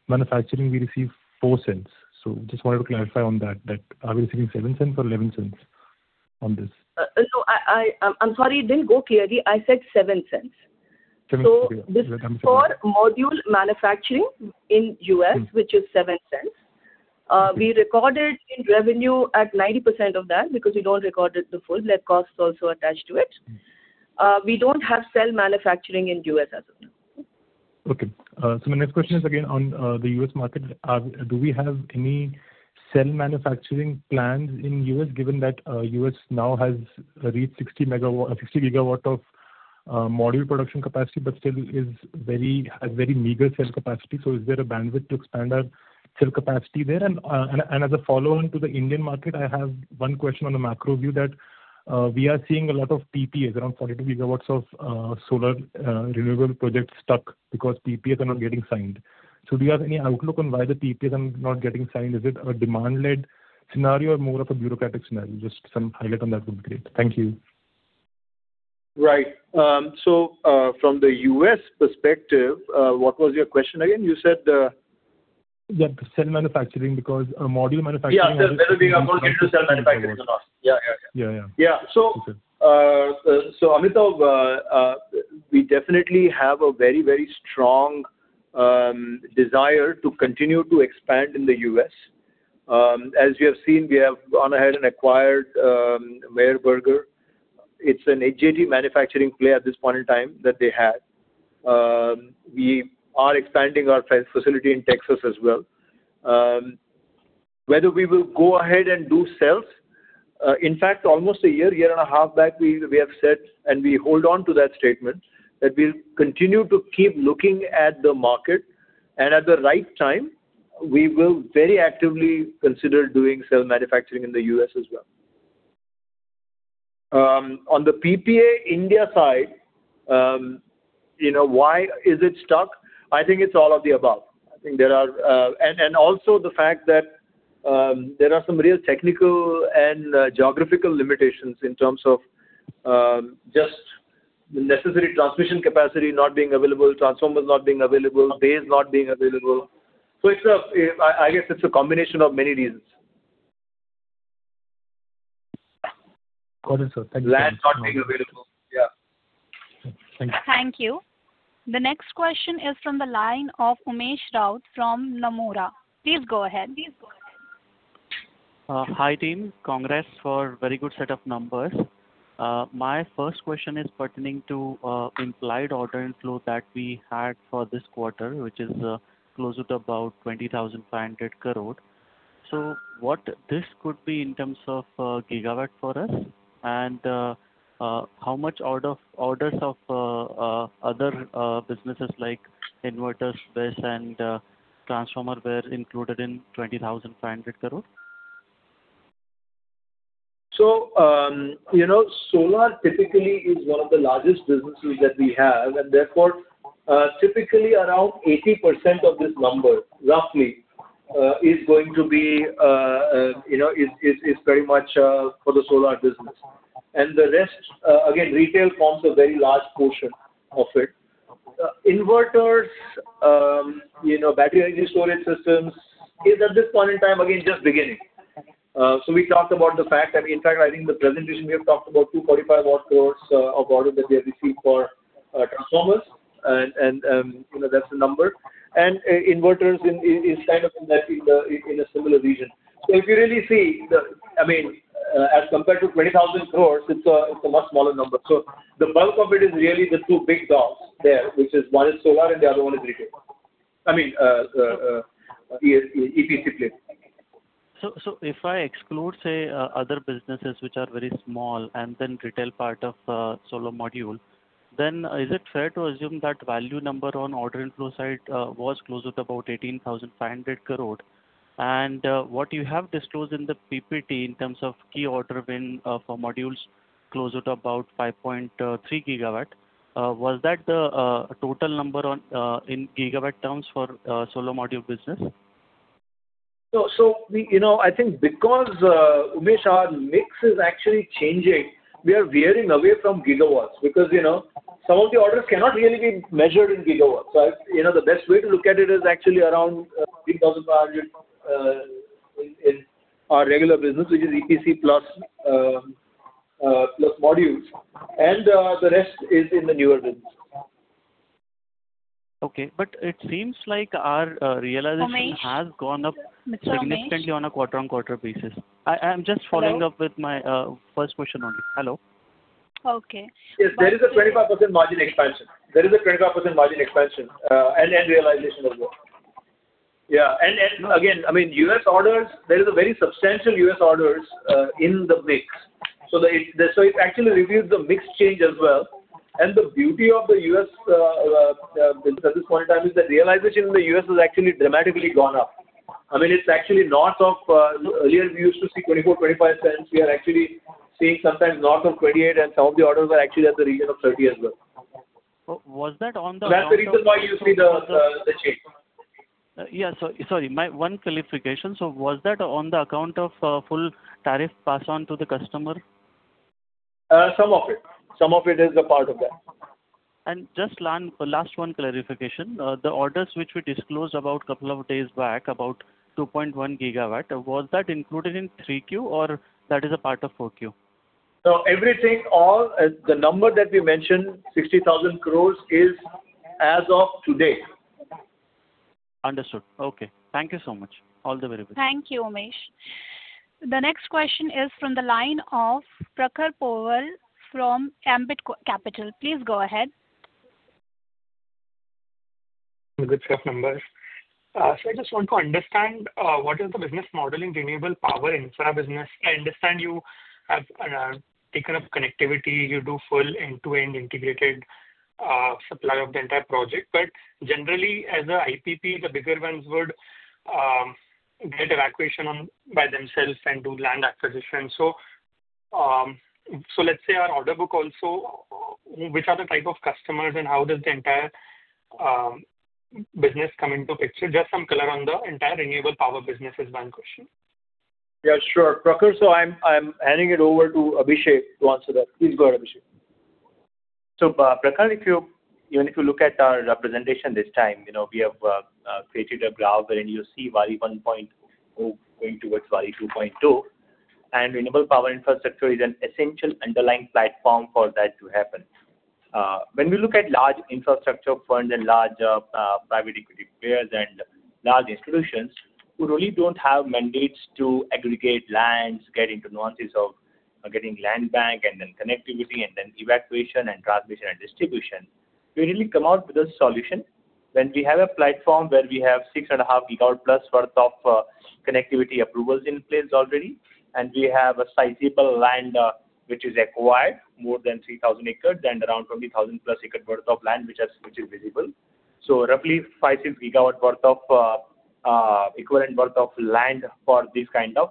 manufacturing, we receive $0.04. So just wanted to clarify on that, that are we receiving $0.07 or $0.11 on this? No, I'm sorry. It didn't go clearly. I said $0.07. $0.07. Yeah. I'm sorry. So for module manufacturing in U.S., which is $0.07, we recorded revenue at 90% of that because we don't record the full cost also attached to it. We don't have cell manufacturing in U.S. as of now. Okay. So my next question is again on the U.S. market. Do we have any cell manufacturing plans in U.S. given that U.S. now has reached 60 GW of module production capacity but still has very meager cell capacity? So is there a bandwidth to expand our cell capacity there? And as a follow-on to the Indian market, I have one question on a macro view that we are seeing a lot of PPAs, around 42 GW of solar renewable projects stuck because PPAs are not getting signed. So do you have any outlook on why the PPAs are not getting signed? Is it a demand-led scenario or more of a bureaucratic scenario? Just some highlight on that would be great. Thank you. Right. So from the U.S. perspective, what was your question again? You said the. Yeah. The cell manufacturing because module manufacturing on the. Yeah. That will be more clear to cell manufacturing and all. So Amit, we definitely have a very, very strong desire to continue to expand in the U.S. As you have seen, we have gone ahead and acquired Meyer Burger. It's an HJT manufacturing player at this point in time that they had. We are expanding our facility in Texas as well. Whether we will go ahead and do cells, in fact, almost a year, year and a half back, we have said, and we hold on to that statement, that we'll continue to keep looking at the market. And at the right time, we will very actively consider doing cell manufacturing in the U.S. as well. On the PPA India side, why is it stuck? I think it's all of the above. I think there are and also the fact that there are some real technical and geographical limitations in terms of just the necessary transmission capacity not being available, transformers not being available, bays not being available. So I guess it's a combination of many reasons. Got it, sir. Thank you. Land not being available. Yeah. Thank you. Thank you. The next question is from the line of Umesh Raut from Nomura. Please go ahead. Hi, team. Congrats for a very good set of numbers. My first question is pertaining to implied order inflow that we had for this quarter, which is close to about 20,500 crore. So what this could be in terms of gigawatt for us, and how much orders of other businesses like inverters, BESS, and transformer were included in 20,500 crore? So solar typically is one of the largest businesses that we have, and therefore, typically around 80% of this number, roughly, is going to be very much for the solar business. And the rest, again, retail forms a very large portion of it. Inverters, battery energy storage systems is at this point in time, again, just beginning. So we talked about the fact that, in fact, I think the presentation we have talked about 245 crores of orders that we have received for transformers, and that's the number. And inverters is kind of in a similar region. So if you really see, I mean, as compared to 20,000 crores, it's a much smaller number. So the bulk of it is really the two big dogs there, which is one is solar, and the other one is retail. I mean, EPC play. If I exclude, say, other businesses which are very small and then retail part of solar module, then is it fair to assume that value number on order inflow side was close to about 18,500 crore? And what you have disclosed in the PPT in terms of key order win for modules close to about 5.3 GW, was that the total number in gigawatt terms for solar module business? So I think because Umesh's mix is actually changing, we are veering away from gigawatts because some of the orders cannot really be measured in gigawatts, so the best way to look at it is actually around 18,500 in our regular business, which is EPC plus modules, and the rest is in the newer businesses. Okay. But it seems like our realization has gone up significantly on a quarter-on-quarter basis. I'm just following up with my first question only. Hello. Okay. Yes. There is a 25% margin expansion. There is a 25% margin expansion and realization of work. Yeah. And again, I mean, U.S. orders, there is a very substantial U.S. orders in the mix. So it actually reviews the mix change as well. And the beauty of the U.S. business at this point in time is that realization in the U.S. has actually dramatically gone up. I mean, it's actually north of earlier we used to see $0.24-0.25. We are actually seeing sometimes north of $0.28, and some of the orders are actually at the region of $0.30 as well. Was that on the? That's the reason why you see the change. Yeah. Sorry. One clarification. So was that on account of full tariff pass-on to the customer? Some of it. Some of it is a part of that. And just last one clarification. The orders which we disclosed about a couple of days back, about 2.1 GW, was that included in 3Q or that is a part of 4Q? Everything, all the number that we mentioned, 60,000 crores is as of today. Understood. Okay. Thank you so much. All the very best. Thank you, Umesh. The next question is from the line of Prakhar Porwal from Ambit Capital. Please go ahead. Good stuff, Ambar. So I just want to understand what is the business model in renewable power infra business. I understand you have taken up connectivity. You do full end-to-end integrated supply of the entire project. But generally, as an IPP, the bigger ones would get evacuation by themselves and do land acquisition. So let's say our order book also, which are the type of customers and how does the entire business come into picture? Just some color on the entire renewable power business is my question. Yeah. Sure. Prakhar, so I'm handing it over to Abhishek to answer that. Please go ahead, Abhishek. Prakhar, even if you look at our representation this time, we have created a graph wherein you see WALI 1.0 going towards WALI 2.0. Renewable power infrastructure is an essential underlying platform for that to happen. When we look at large infrastructure firms and large private equity players and large institutions who really don't have mandates to aggregate lands, get into nuances of getting land bank and then connectivity and then evacuation and transmission and distribution, we really come out with a solution when we have a platform where we have 6.5 GW plus worth of connectivity approvals in place already. We have a sizable land which is acquired, more than 3,000 acres and around 20,000 plus acres worth of land which is visible. Roughly 5-6 GW worth of equivalent worth of land for this kind of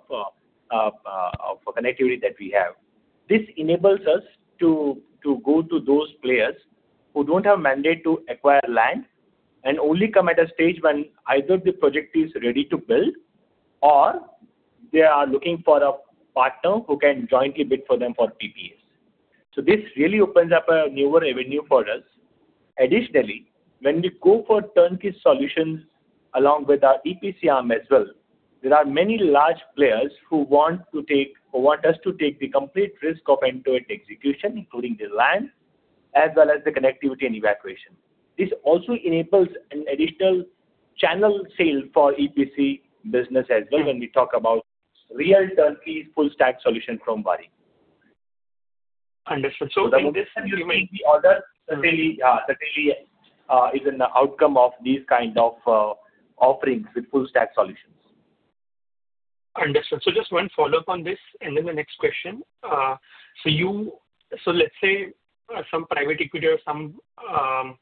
connectivity that we have. This enables us to go to those players who don't have a mandate to acquire land and only come at a stage when either the project is ready to build or they are looking for a partner who can jointly bid for them for PPAs. So this really opens up a newer avenue for us. Additionally, when we go for turnkey solutions along with our EPC arm as well, there are many large players who want to take or want us to take the complete risk of end-to-end execution, including the land as well as the connectivity and evacuation. This also enables an additional channel sale for EPC business as well when we talk about real turnkey full-stack solution from WALI. So in this sense, certainly, yeah, certainly is an outcome of these kind of offerings with full-stack solutions. Understood. So just one follow-up on this and then the next question. So let's say some private equity or some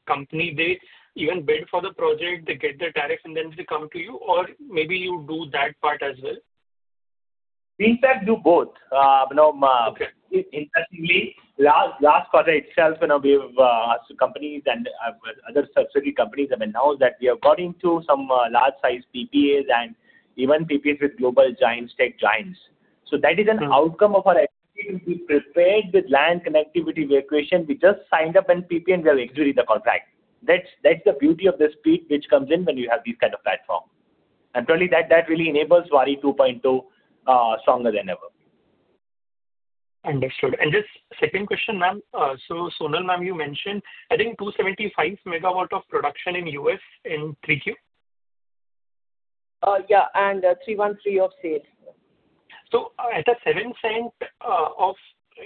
company, they even bid for the project, they get the tariff, and then they come to you, or maybe you do that part as well? We in fact do both. Interestingly, last quarter itself, we have asked companies and other subsidiary companies that we have got into some large-sized PPAs and even PPAs with global giants, tech giants. So that is an outcome of our activity. We prepared with land connectivity evacuation. We just signed a PPA and we have executed the contract. That's the beauty of the speed which comes in when you have this kind of platform. And certainly, that really enables Waaree 2.0 stronger than ever. Understood. And just second question, ma'am. So Sonal, ma'am, you mentioned, I think 275 MW of production in U.S. in 3Q? Yeah, and 31.3% of sales. So at a seven cents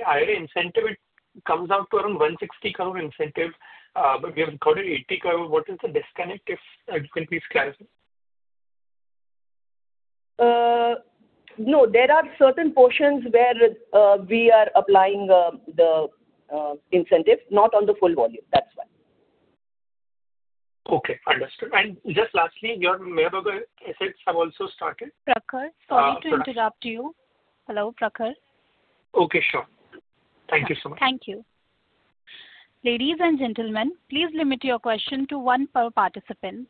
higher incentive, it comes out to around 160 crore incentive. But we have recorded 80 crore. What is the disconnect if you can please clarify? No. There are certain portions where we are applying the incentive, not on the full volume. That's why. Okay. Understood, and just lastly, your Meyer Burger assets have also started. Prakhar, sorry to interrupt you. Hello, Prakhar. Okay. Sure. Thank you so much. Thank you. Ladies and gentlemen, please limit your question to one per participant.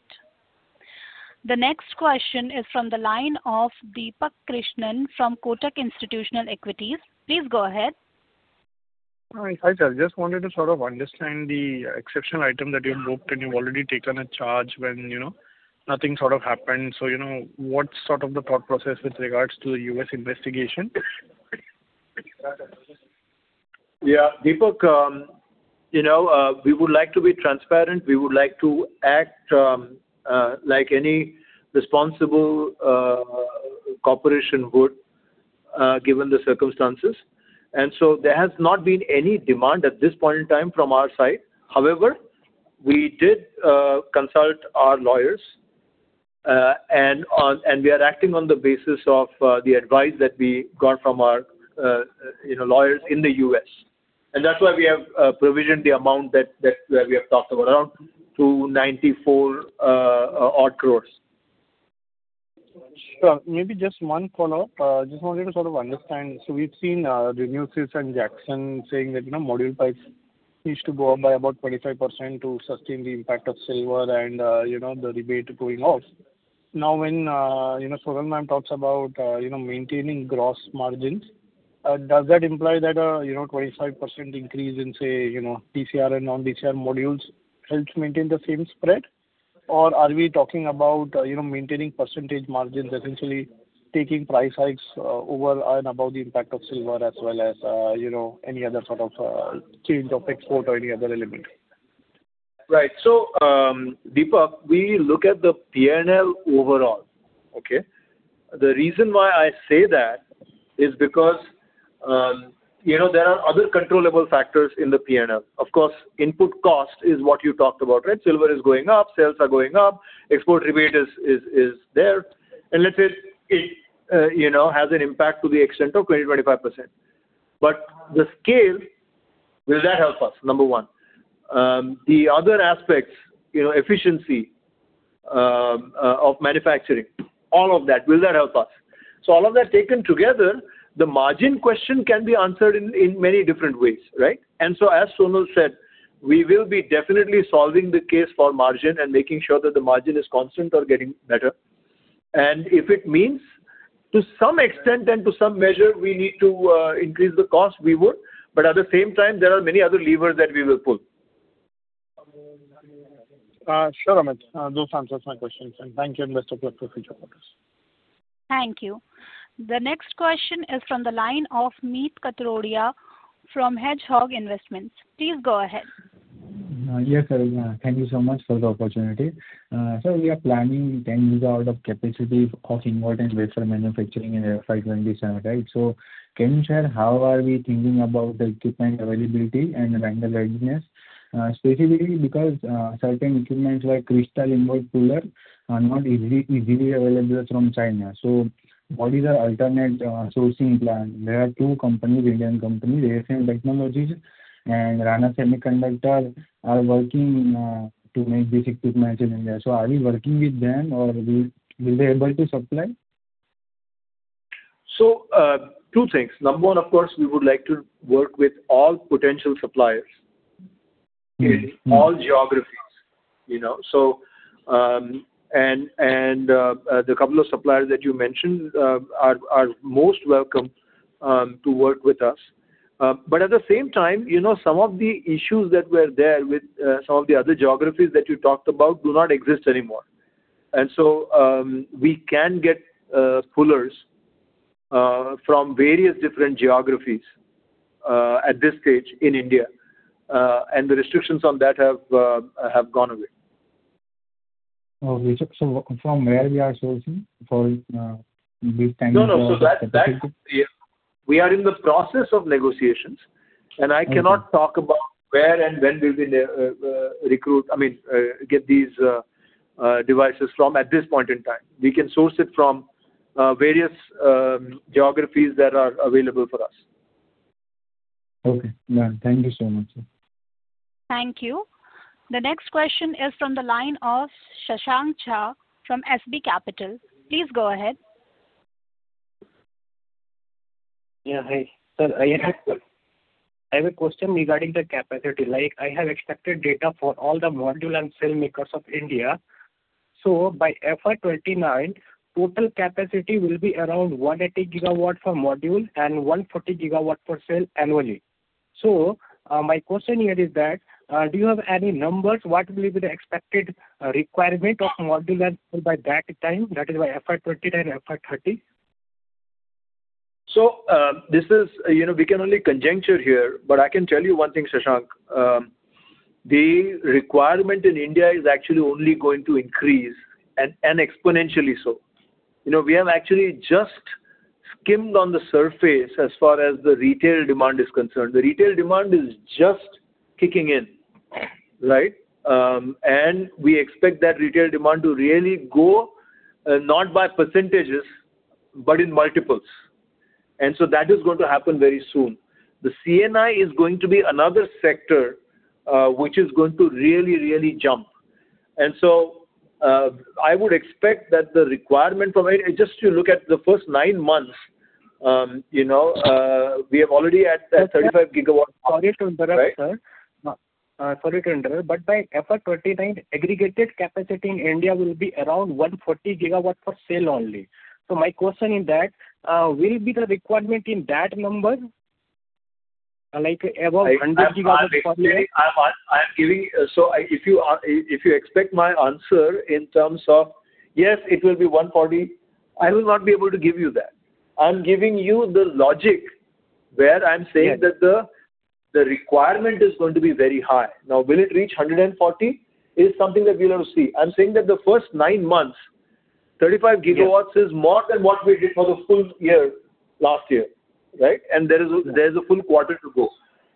The next question is from the line of Deepak Krishnan from Kotak Institutional Equities. Please go ahead. Hi, Sajjal. Just wanted to sort of understand the exceptional item that you invoked and you've already taken a charge when nothing sort of happened. So what's sort of the thought process with regards to the U.S. investigation? Yeah. Deepak, we would like to be transparent. We would like to act like any responsible corporation would given the circumstances. And so there has not been any demand at this point in time from our side. However, we did consult our lawyers, and we are acting on the basis of the advice that we got from our lawyers in the U.S. And that's why we have provisioned the amount that we have talked about, around 294-odd crores. Sure. Maybe just one follow-up. Just wanted to sort of understand. So we've seen RenewSys and Jakson saying that module prices need to go up by about 25% to sustain the impact of silver and the debate going off. Now, when Sonal, ma'am, talks about maintaining gross margins, does that imply that a 25% increase in, say, DCR and non-DCR modules helps maintain the same spread? Or are we talking about maintaining percentage margins, essentially taking price hikes over and above the impact of silver as well as any other sort of change of export or any other element? Right. So, Deepak, we look at the P&L overall. Okay? The reason why I say that is because there are other controllable factors in the P&L. Of course, input cost is what you talked about, right? Silver is going up, sales are going up, export rebate is there. And let's say it has an impact to the extent of 20%-25%. But the scale, will that help us? Number one. The other aspects, efficiency of manufacturing, all of that, will that help us? So all of that taken together, the margin question can be answered in many different ways, right? And so, as Sonal said, we will be definitely solving the case for margin and making sure that the margin is constant or getting better. And if it means to some extent and to some measure, we need to increase the cost, we would. But at the same time, there are many other levers that we will pull. Sure, Amit. Those answer my questions. And thank you and best of luck for future quarters. Thank you. The next question is from the line of Meet Katrodiya from Hedgehog Investing. Please go ahead. Yes, Sajjal. Thank you so much for the opportunity. Sir, we are planning 10 GW of capacity of inverter and wafer manufacturing in the FY27, right? So can you share how are we thinking about the equipment availability and vendor readiness? Specifically, because certain equipment like crystal ingot cooler are not easily available from China. So what is our alternative sourcing plan? There are two companies, Indian companies, ASM Technologies and Rana Semiconductor, are working to make this equipment in India. So are we working with them or will they be able to supply? So two things. Number one, of course, we would like to work with all potential suppliers in all geographies. And the couple of suppliers that you mentioned are most welcome to work with us. But at the same time, some of the issues that were there with some of the other geographies that you talked about do not exist anymore. And so we can get pullers from various different geographies at this stage in India. And the restrictions on that have gone away. We took some from where we are sourcing for this time? No, no. So we are in the process of negotiations. And I cannot talk about where and when we will recruit, I mean, get these devices from at this point in time. We can source it from various geographies that are available for us. Okay. Thank you so much. Thank you. The next question is from the line of Shashank from SB Capital. Please go ahead. Yeah. Hi, Sir. I have a question regarding the capacity. I have extracted data for all the module and cell makers of India. So by FY29, total capacity will be around 180 GW for module and 140 GW per cell annually. So my question here is that do you have any numbers? What will be the expected requirement of module and cell by that time? That is by FY29 and FY30? So, we can only conjecture here, but I can tell you one thing, Shashank. The requirement in India is actually only going to increase and exponentially so. We have actually just skimmed on the surface as far as the retail demand is concerned. The retail demand is just kicking in, right? And we expect that retail demand to really go not by percentages, but in multiples. And so that is going to happen very soon. The C&I is going to be another sector which is going to really, really jump. And so I would expect that the requirement. Just you look at the first nine months, we have already at 35GW. Sorry to interrupt, Sir. Sorry to interrupt. But by FY29, aggregated capacity in India will be around 140 GW for sale only. So my question in that, will be the requirement in that number above 100 GW per cell? I am giving, so if you expect my answer in terms of, yes, it will be 140, I will not be able to give you that. I am giving you the logic where I am saying that the requirement is going to be very high. Now, will it reach 140? is something that we will have to see. I am saying that the first nine months, 35 GW is more than what we did for the full-year last year, right? And there is a full-quarter to go.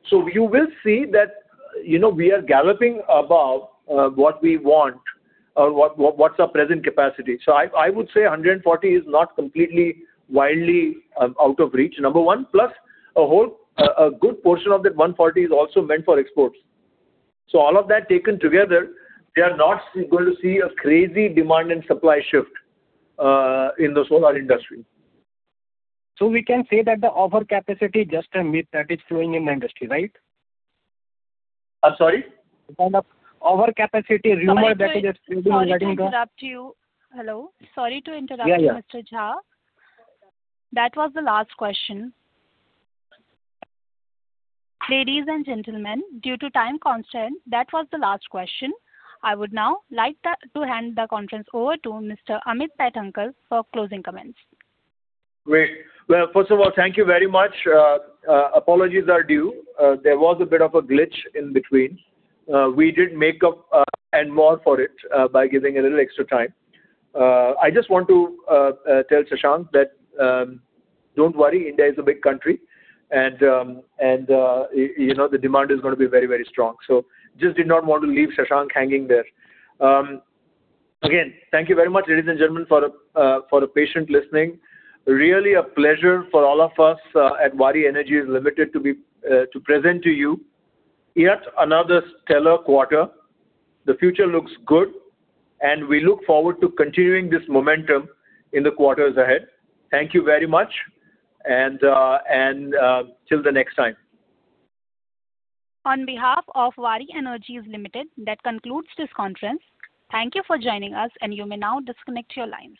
So you will see that we are galloping above what we want or what's our present capacity. So I would say 140 is not completely wildly out of reach, number one. Plus, a good portion of that 140 is also meant for exports. So all of that taken together, we are not going to see a crazy demand and supply shift in the solar industry. So we can say that the overcapacity just means that it's flowing in the industry, right? I'm sorry? Overcapacity. Rumor that it is flowing in the industry. Sorry to interrupt you. Hello. Sorry to interrupt you, Mr. Shashank. That was the last question. Ladies and gentlemen, due to time constraints, that was the last question. I would now like to hand the conference over to Mr. Amit Paithankar for closing comments. Great. Well, first of all, thank you very much. Apologies are due. There was a bit of a glitch in between. We did make up and more for it by giving a little extra time. I just want to tell Shashank that don't worry, India is a big country, and the demand is going to be very, very strong. So just did not want to leave Shashank hanging there. Again, thank you very much, ladies and gentlemen, for the patient listening. Really a pleasure for all of us at Waaree Energies Limited to present to you yet another stellar quarter. The future looks good, and we look forward to continuing this momentum in the quarters ahead. Thank you very much, and till the next time. On behalf of Waaree Energies Limited, that concludes this conference. Thank you for joining us, and you may now disconnect your lines.